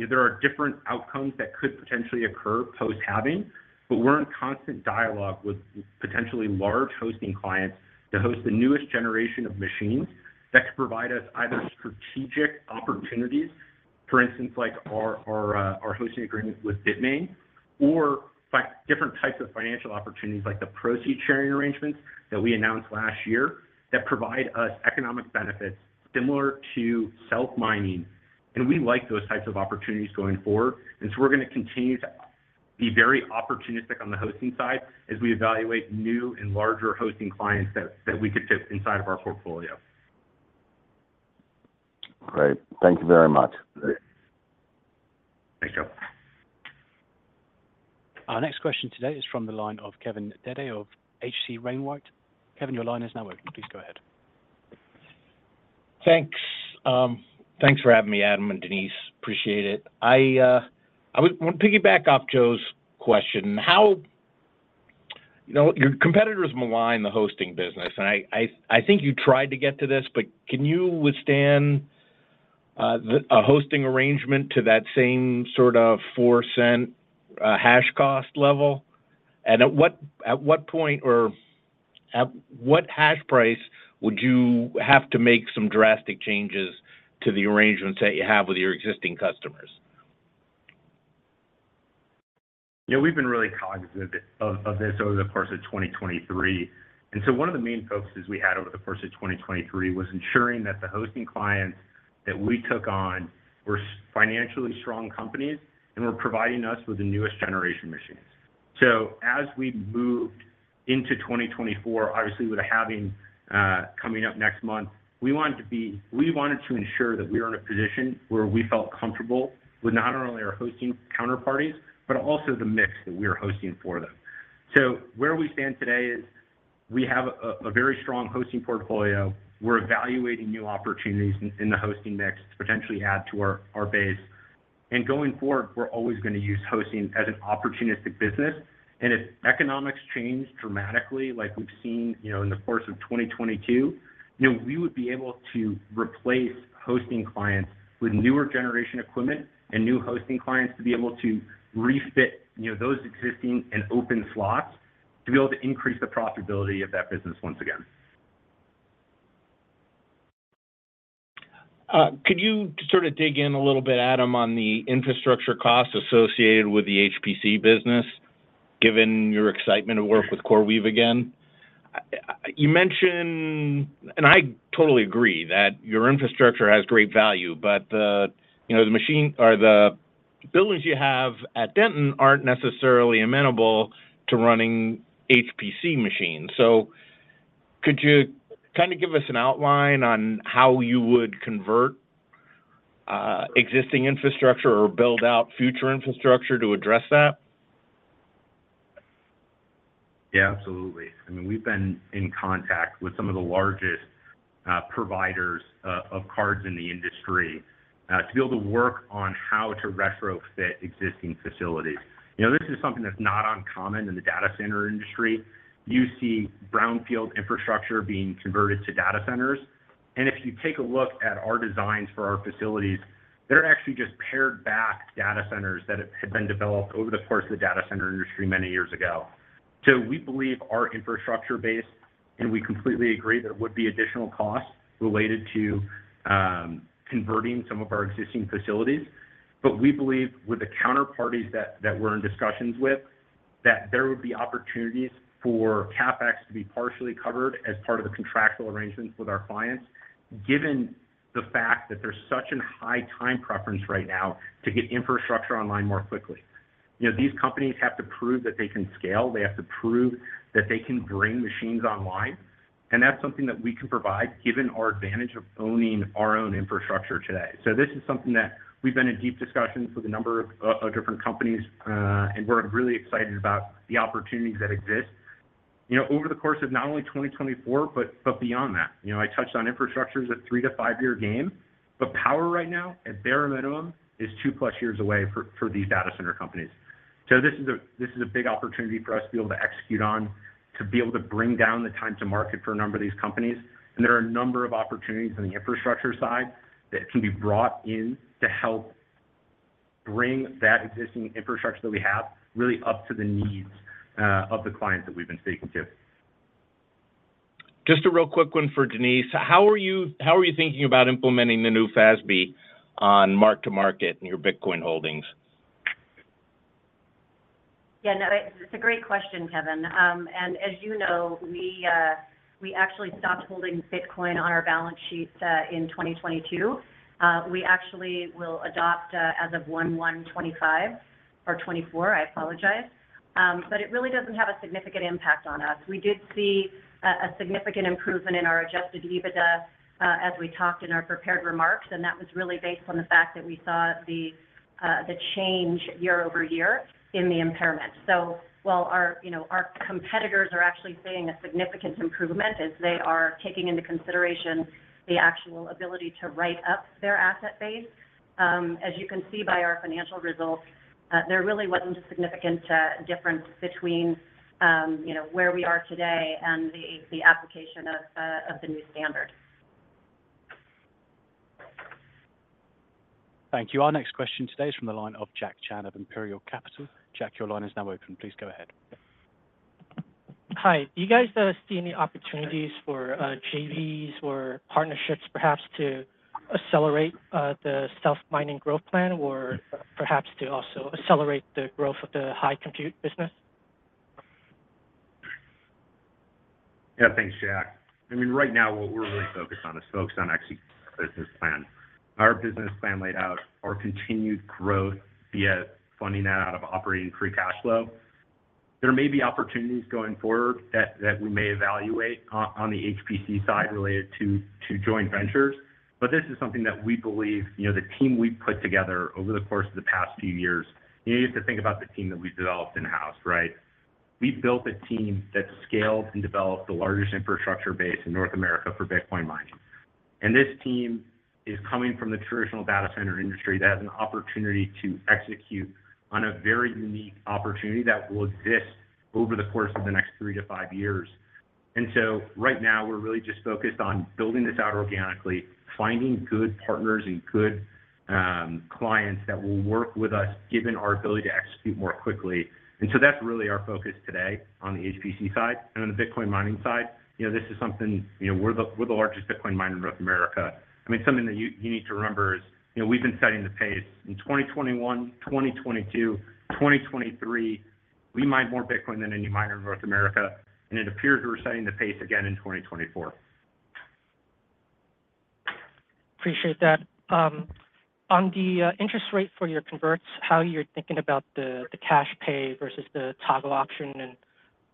There are different outcomes that could potentially occur post-halving, but we're in constant dialogue with potentially large hosting clients to host the newest generation of machines that could provide us either strategic opportunities, for instance, like our hosting agreement with Bitmain, or different types of financial opportunities like the proceeds sharing arrangements that we announced last year that provide us economic benefits similar to self-mining. We like those types of opportunities going forward. We're going to continue to be very opportunistic on the hosting side as we evaluate new and larger hosting clients that we could fit inside of our portfolio. Great. Thank you very much. Thanks, Joe. Our next question today is from the line of Kevin Dede of H.C. Wainwright. Kevin, your line is now open. Please go ahead. Thanks. Thanks for having me, Adam and Denise. Appreciate it. I want to piggyback off Joe's question. Your competitors malign the hosting business, and I think you tried to get to this, but can you withstand a hosting arrangement to that same sort of $0.04 hash cost level? And at what point or at what hash price would you have to make some drastic changes to the arrangements that you have with your existing customers? We've been really cognizant of this over the course of 2023. So one of the main focuses we had over the course of 2023 was ensuring that the hosting clients that we took on were financially strong companies and were providing us with the newest generation machines. So as we moved into 2024, obviously, with a halving coming up next month, we wanted to ensure that we were in a position where we felt comfortable with not only our hosting counterparties but also the mix that we were hosting for them. So where we stand today is we have a very strong hosting portfolio. We're evaluating new opportunities in the hosting mix to potentially add to our base. And going forward, we're always going to use hosting as an opportunistic business. If economics change dramatically like we've seen in the course of 2022, we would be able to replace hosting clients with newer generation equipment and new hosting clients to be able to refit those existing and open slots to be able to increase the profitability of that business once again. Could you sort of dig in a little bit, Adam, on the infrastructure costs associated with the HPC business given your excitement to work with CoreWeave again? I totally agree that your infrastructure has great value, but the machine or the buildings you have at Denton aren't necessarily amenable to running HPC machines. Could you kind of give us an outline on how you would convert existing infrastructure or build out future infrastructure to address that? Yeah, absolutely. I mean, we've been in contact with some of the largest providers of cards in the industry to be able to work on how to retrofit existing facilities. This is something that's not uncommon in the data center industry. You see brownfield infrastructure being converted to data centers. And if you take a look at our designs for our facilities, they're actually just pared back data centers that had been developed over the course of the data center industry many years ago. So we believe our infrastructure base, and we completely agree that it would be additional costs related to converting some of our existing facilities. But we believe with the counterparties that we're in discussions with that there would be opportunities for CapEx to be partially covered as part of the contractual arrangements with our clients given the fact that there's such a high time preference right now to get infrastructure online more quickly. These companies have to prove that they can scale. They have to prove that they can bring machines online. And that's something that we can provide given our advantage of owning our own infrastructure today. So this is something that we've been in deep discussions with a number of different companies, and we're really excited about the opportunities that exist over the course of not only 2024 but beyond that. I touched on infrastructure as a three- to five-year game, but power right now, at bare minimum, is 2+ years away for these data center companies. This is a big opportunity for us to be able to execute on, to be able to bring down the time to market for a number of these companies. There are a number of opportunities on the infrastructure side that can be brought in to help bring that existing infrastructure that we have really up to the needs of the clients that we've been speaking to. Just a real quick one for Denise. How are you thinking about implementing the new FASB on mark-to-market in your Bitcoin holdings? Yeah. No, it's a great question, Kevin. And as you know, we actually stopped holding Bitcoin on our balance sheet in 2022. We actually will adopt as of January 1, 2025 or 2024. I apologize. But it really doesn't have a significant impact on us. We did see a significant improvement in our Adjusted EBITDA as we talked in our prepared remarks, and that was really based on the fact that we saw the change year-over-year in the impairment. So while our competitors are actually seeing a significant improvement as they are taking into consideration the actual ability to write up their asset base, as you can see by our financial results, there really wasn't a significant difference between where we are today and the application of the new standard. Thank you. Our next question today is from the line of Jack Chan of Imperial Capital. Jack, your line is now open. Please go ahead. Hi. You guys see any opportunities for JVs or partnerships perhaps to accelerate the self-mining growth plan or perhaps to also accelerate the growth of the high-compute business? Yeah. Thanks, Jack. I mean, right now, what we're really focused on is focused on actually our business plan. Our business plan laid out our continued growth via funding that out of operating free cash flow. There may be opportunities going forward that we may evaluate on the HPC side related to joint ventures, but this is something that we believe the team we've put together over the course of the past few years you have to think about the team that we've developed in-house, right? We built a team that scaled and developed the largest infrastructure base in North America for Bitcoin mining. And this team is coming from the traditional data center industry that has an opportunity to execute on a very unique opportunity that will exist over the course of the next three to five years. Right now, we're really just focused on building this out organically, finding good partners and good clients that will work with us given our ability to execute more quickly. That's really our focus today on the HPC side. On the Bitcoin mining side, this is something we're the largest Bitcoin miner in North America. I mean, something that you need to remember is we've been setting the pace. In 2021, 2022, 2023, we mine more Bitcoin than any miner in North America, and it appears we're setting the pace again in 2024. Appreciate that. On the interest rate for your converts, how are you thinking about the cash pay versus the toggle option,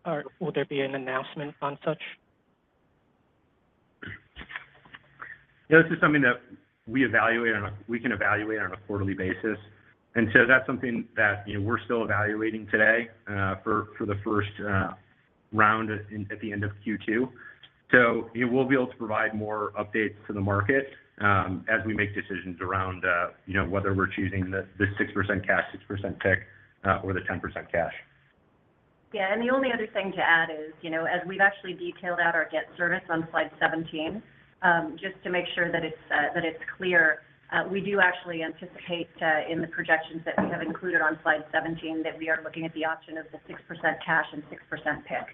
and will there be an announcement on such? This is something that we evaluate, and we can evaluate on a quarterly basis. So that's something that we're still evaluating today for the first round at the end of Q2. We'll be able to provide more updates to the market as we make decisions around whether we're choosing the 6% cash, 6% PIK, or the 10% cash. Yeah. And the only other thing to add is as we've actually detailed out our HPC service on slide 17, just to make sure that it's clear, we do actually anticipate in the projections that we have included on slide 17 that we are looking at the option of the 6% cash and 6% stock.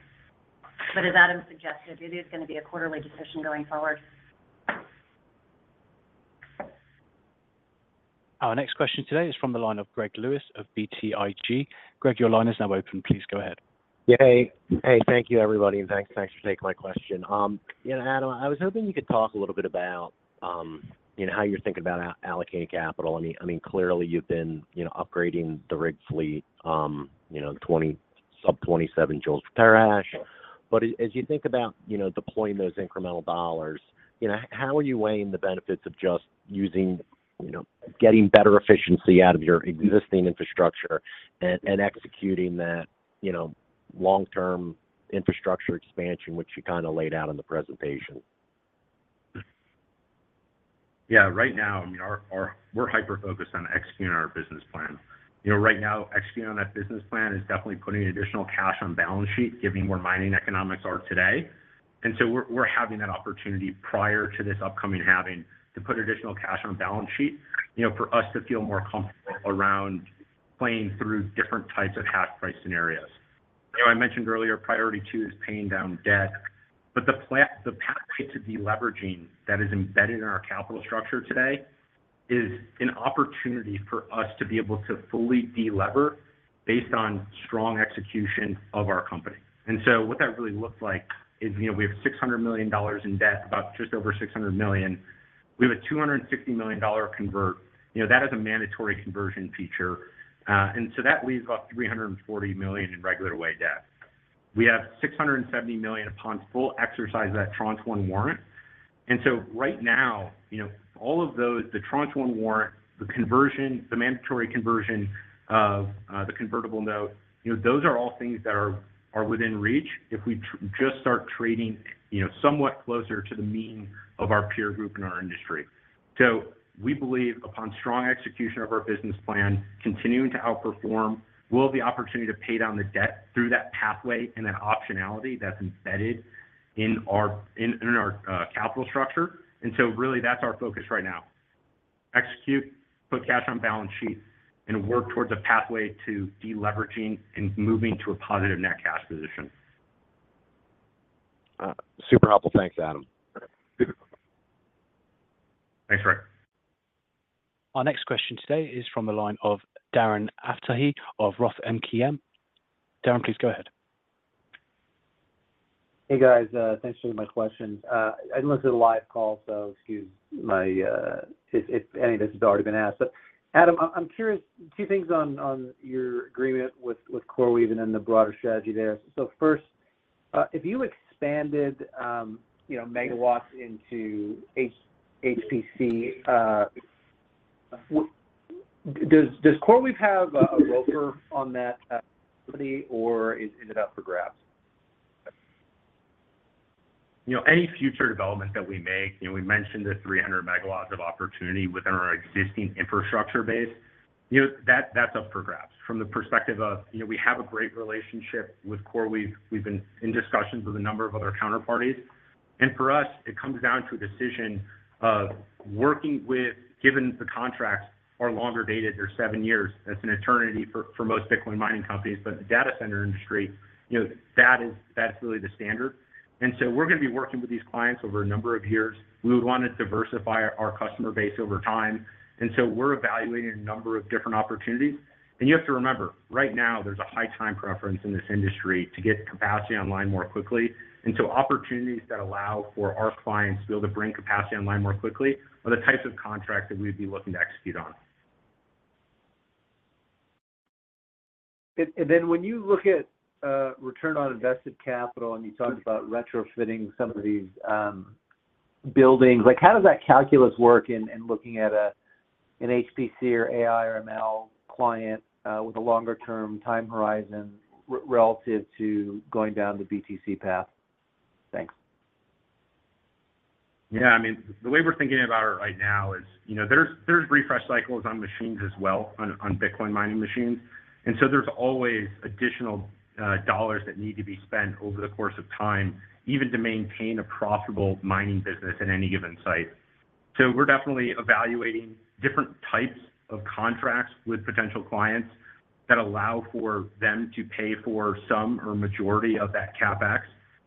But as Adam suggested, it is going to be a quarterly decision going forward. Our next question today is from the line of Greg Lewis of BTIG. Greg, your line is now open. Please go ahead. Hey. Hey. Thank you, everybody. And thanks for taking my question. Adam, I was hoping you could talk a little bit about how you're thinking about allocating capital. I mean, clearly, you've been upgrading the rig fleet sub-27 joules per hash. But as you think about deploying those incremental dollars, how are you weighing the benefits of just getting better efficiency out of your existing infrastructure and executing that long-term infrastructure expansion, which you kind of laid out in the presentation? Yeah. Right now, I mean, we're hyper-focused on executing our business plan. Right now, executing on that business plan is definitely putting additional cash on balance sheet, given where mining economics are today. And so we're having that opportunity prior to this upcoming halving to put additional cash on balance sheet for us to feel more comfortable around playing through different types of hash price scenarios. I mentioned earlier, priority two is paying down debt. But the pathway to deleveraging that is embedded in our capital structure today is an opportunity for us to be able to fully delever based on strong execution of our company. And so what that really looks like is we have $600 million in debt, about just over $600 million. We have a $260 million convert. That is a mandatory conversion feature. And so that leaves about $340 million in regular-way debt. We have $670 million upon full exercise of that tranche one warrant. And so right now, all of those, the tranche one warrant, the mandatory conversion of the convertible note, those are all things that are within reach if we just start trading somewhat closer to the mean of our peer group in our industry. So we believe upon strong execution of our business plan, continuing to outperform, we'll have the opportunity to pay down the debt through that pathway and that optionality that's embedded in our capital structure. And so really, that's our focus right now: execute, put cash on balance sheet, and work towards a pathway to deleveraging and moving to a positive net cash position. Super helpful. Thanks, Adam. Thanks, Greg. Our next question today is from the line of Darren Aftahi of Roth MKM. Darren, please go ahead. Hey, guys. Thanks for my questions. I listened to the live call, so excuse me if any of this has already been asked. But Adam, I'm curious, two things on your agreement with CoreWeave and then the broader strategy there. So first, if you expanded megawatts into HPC, does CoreWeave have a ROFR on that company, or is it up for grabs? Any future development that we make, we mentioned the 300 MW of opportunity within our existing infrastructure base. That's up for grabs from the perspective of we have a great relationship with CoreWeave. We've been in discussions with a number of other counterparties. And for us, it comes down to a decision of working with given the contracts are longer dated. They're seven years. That's an eternity for most Bitcoin mining companies. But in the data center industry, that is really the standard. And so we're going to be working with these clients over a number of years. We would want to diversify our customer base over time. And so we're evaluating a number of different opportunities. And you have to remember, right now, there's a high time preference in this industry to get capacity online more quickly. Opportunities that allow for our clients to be able to bring capacity online more quickly are the types of contracts that we'd be looking to execute on. And then when you look at return on invested capital and you talked about retrofitting some of these buildings, how does that calculus work in looking at an HPC or AI or ML client with a longer-term time horizon relative to going down the BTC path? Thanks. Yeah. I mean, the way we're thinking about it right now is there's refresh cycles on machines as well, on Bitcoin mining machines. And so there's always additional dollars that need to be spent over the course of time even to maintain a profitable mining business at any given site. So we're definitely evaluating different types of contracts with potential clients that allow for them to pay for some or majority of that CapEx.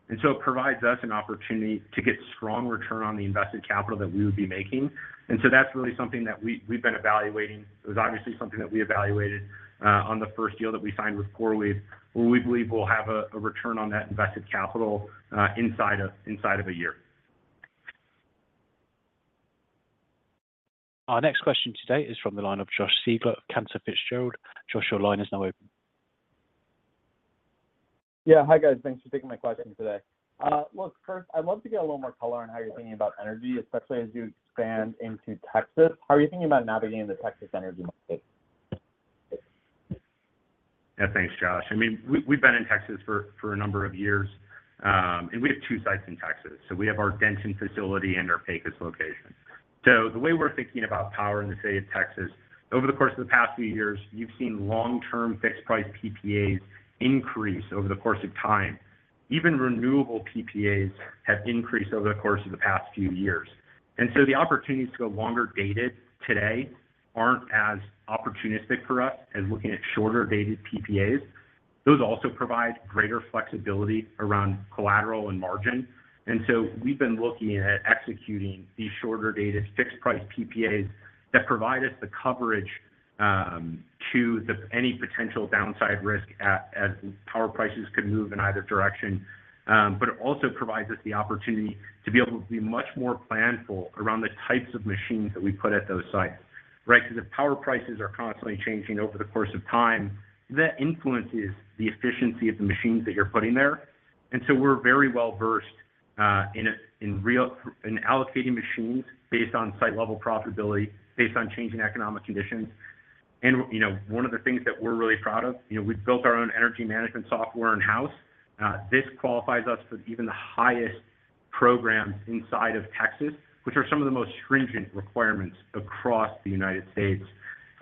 And so it provides us an opportunity to get strong return on the invested capital that we would be making. And so that's really something that we've been evaluating. It was obviously something that we evaluated on the first deal that we signed with CoreWeave where we believe we'll have a return on that invested capital inside of a year. Our next question today is from the line of Josh Siegler of Cantor Fitzgerald. Josh, your line is now open. Yeah. Hi, guys. Thanks for taking my question today. Look, first, I'd love to get a little more color on how you're thinking about energy, especially as you expand into Texas. How are you thinking about navigating the Texas energy market? Yeah. Thanks, Josh. I mean, we've been in Texas for a number of years, and we have two sites in Texas. So we have our Denton facility and our Pecos location. So the way we're thinking about power in the state of Texas, over the course of the past few years, you've seen long-term fixed-price PPAs increase over the course of time. Even renewable PPAs have increased over the course of the past few years. And so the opportunities to go longer dated today aren't as opportunistic for us as looking at shorter dated PPAs. Those also provide greater flexibility around collateral and margin. And so we've been looking at executing these shorter dated fixed-price PPAs that provide us the coverage to any potential downside risk as power prices could move in either direction, but it also provides us the opportunity to be able to be much more planful around the types of machines that we put at those sites, right? Because if power prices are constantly changing over the course of time, that influences the efficiency of the machines that you're putting there. And so we're very well-versed in allocating machines based on site-level profitability, based on changing economic conditions. And one of the things that we're really proud of, we've built our own energy management software in-house. This qualifies us for even the highest programs inside of Texas, which are some of the most stringent requirements across the United States.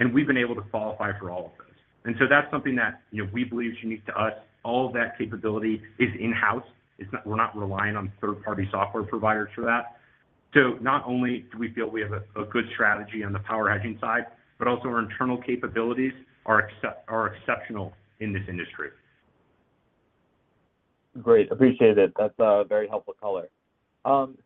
And we've been able to qualify for all of those. That's something that we believe is unique to us. All of that capability is in-house. We're not relying on third-party software providers for that. Not only do we feel we have a good strategy on the power hedging side, but also our internal capabilities are exceptional in this industry. Great. Appreciate it. That's very helpful color.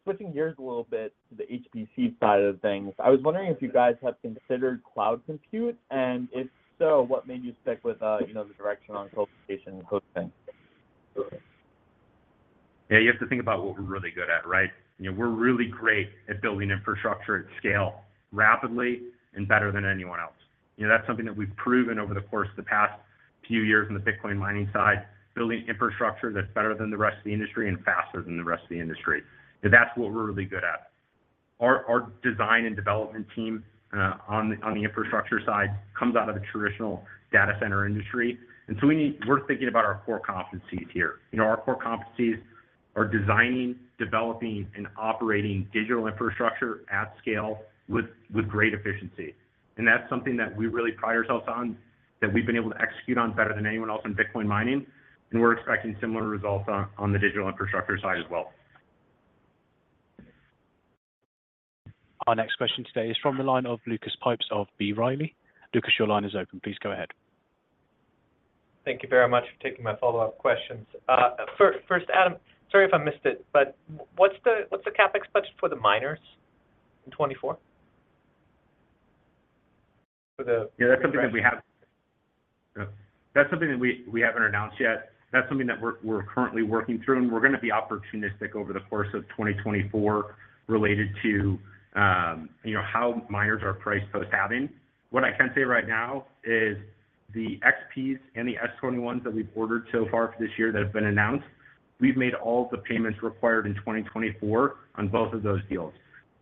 Switching gears a little bit to the HPC side of things, I was wondering if you guys have considered cloud compute. If so, what made you stick with the direction on colocation and hosting? Yeah. You have to think about what we're really good at, right? We're really great at building infrastructure at scale rapidly and better than anyone else. That's something that we've proven over the course of the past few years in the Bitcoin mining side, building infrastructure that's better than the rest of the industry and faster than the rest of the industry. That's what we're really good at. Our design and development team on the infrastructure side comes out of the traditional data center industry. So we're thinking about our core competencies here. Our core competencies are designing, developing, and operating digital infrastructure at scale with great efficiency. That's something that we really pride ourselves on, that we've been able to execute on better than anyone else in Bitcoin mining. We're expecting similar results on the digital infrastructure side as well. Our next question today is from the line of Lucas Pipes of B. Riley. Lucas, your line is open. Please go ahead. Thank you very much for taking my follow-up questions. First, Adam, sorry if I missed it, but what's the CapEx budget for the miners in 2024? Yeah. That's something that we haven't announced yet. That's something that we're currently working through. And we're going to be opportunistic over the course of 2024 related to how miners are priced post-halving. What I can say right now is the XPs and the S21s that we've ordered so far for this year that have been announced, we've made all of the payments required in 2024 on both of those deals.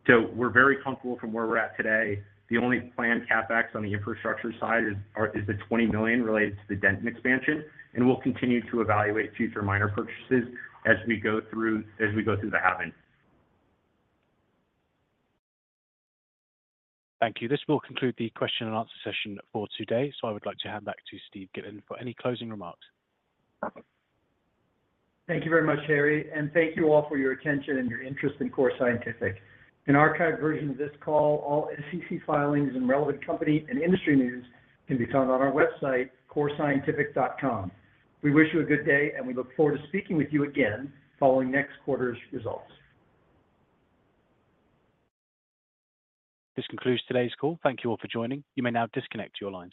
So we're very comfortable from where we're at today. The only planned CapEx on the infrastructure side is the $20 million related to the Denton expansion. And we'll continue to evaluate future miner purchases as we go through the halving. Thank you. This will conclude the question-and-answer session for today. I would like to hand back to Steven Gitlin for any closing remarks. Thank you very much, Harry, and thank you all for your attention and your interest in Core Scientific. An archived version of this call, all SEC filings, and relevant company and industry news can be found on our website, corescientific.com. We wish you a good day, and we look forward to speaking with you again following next quarter's results. This concludes today's call. Thank you all for joining. You may now disconnect your lines.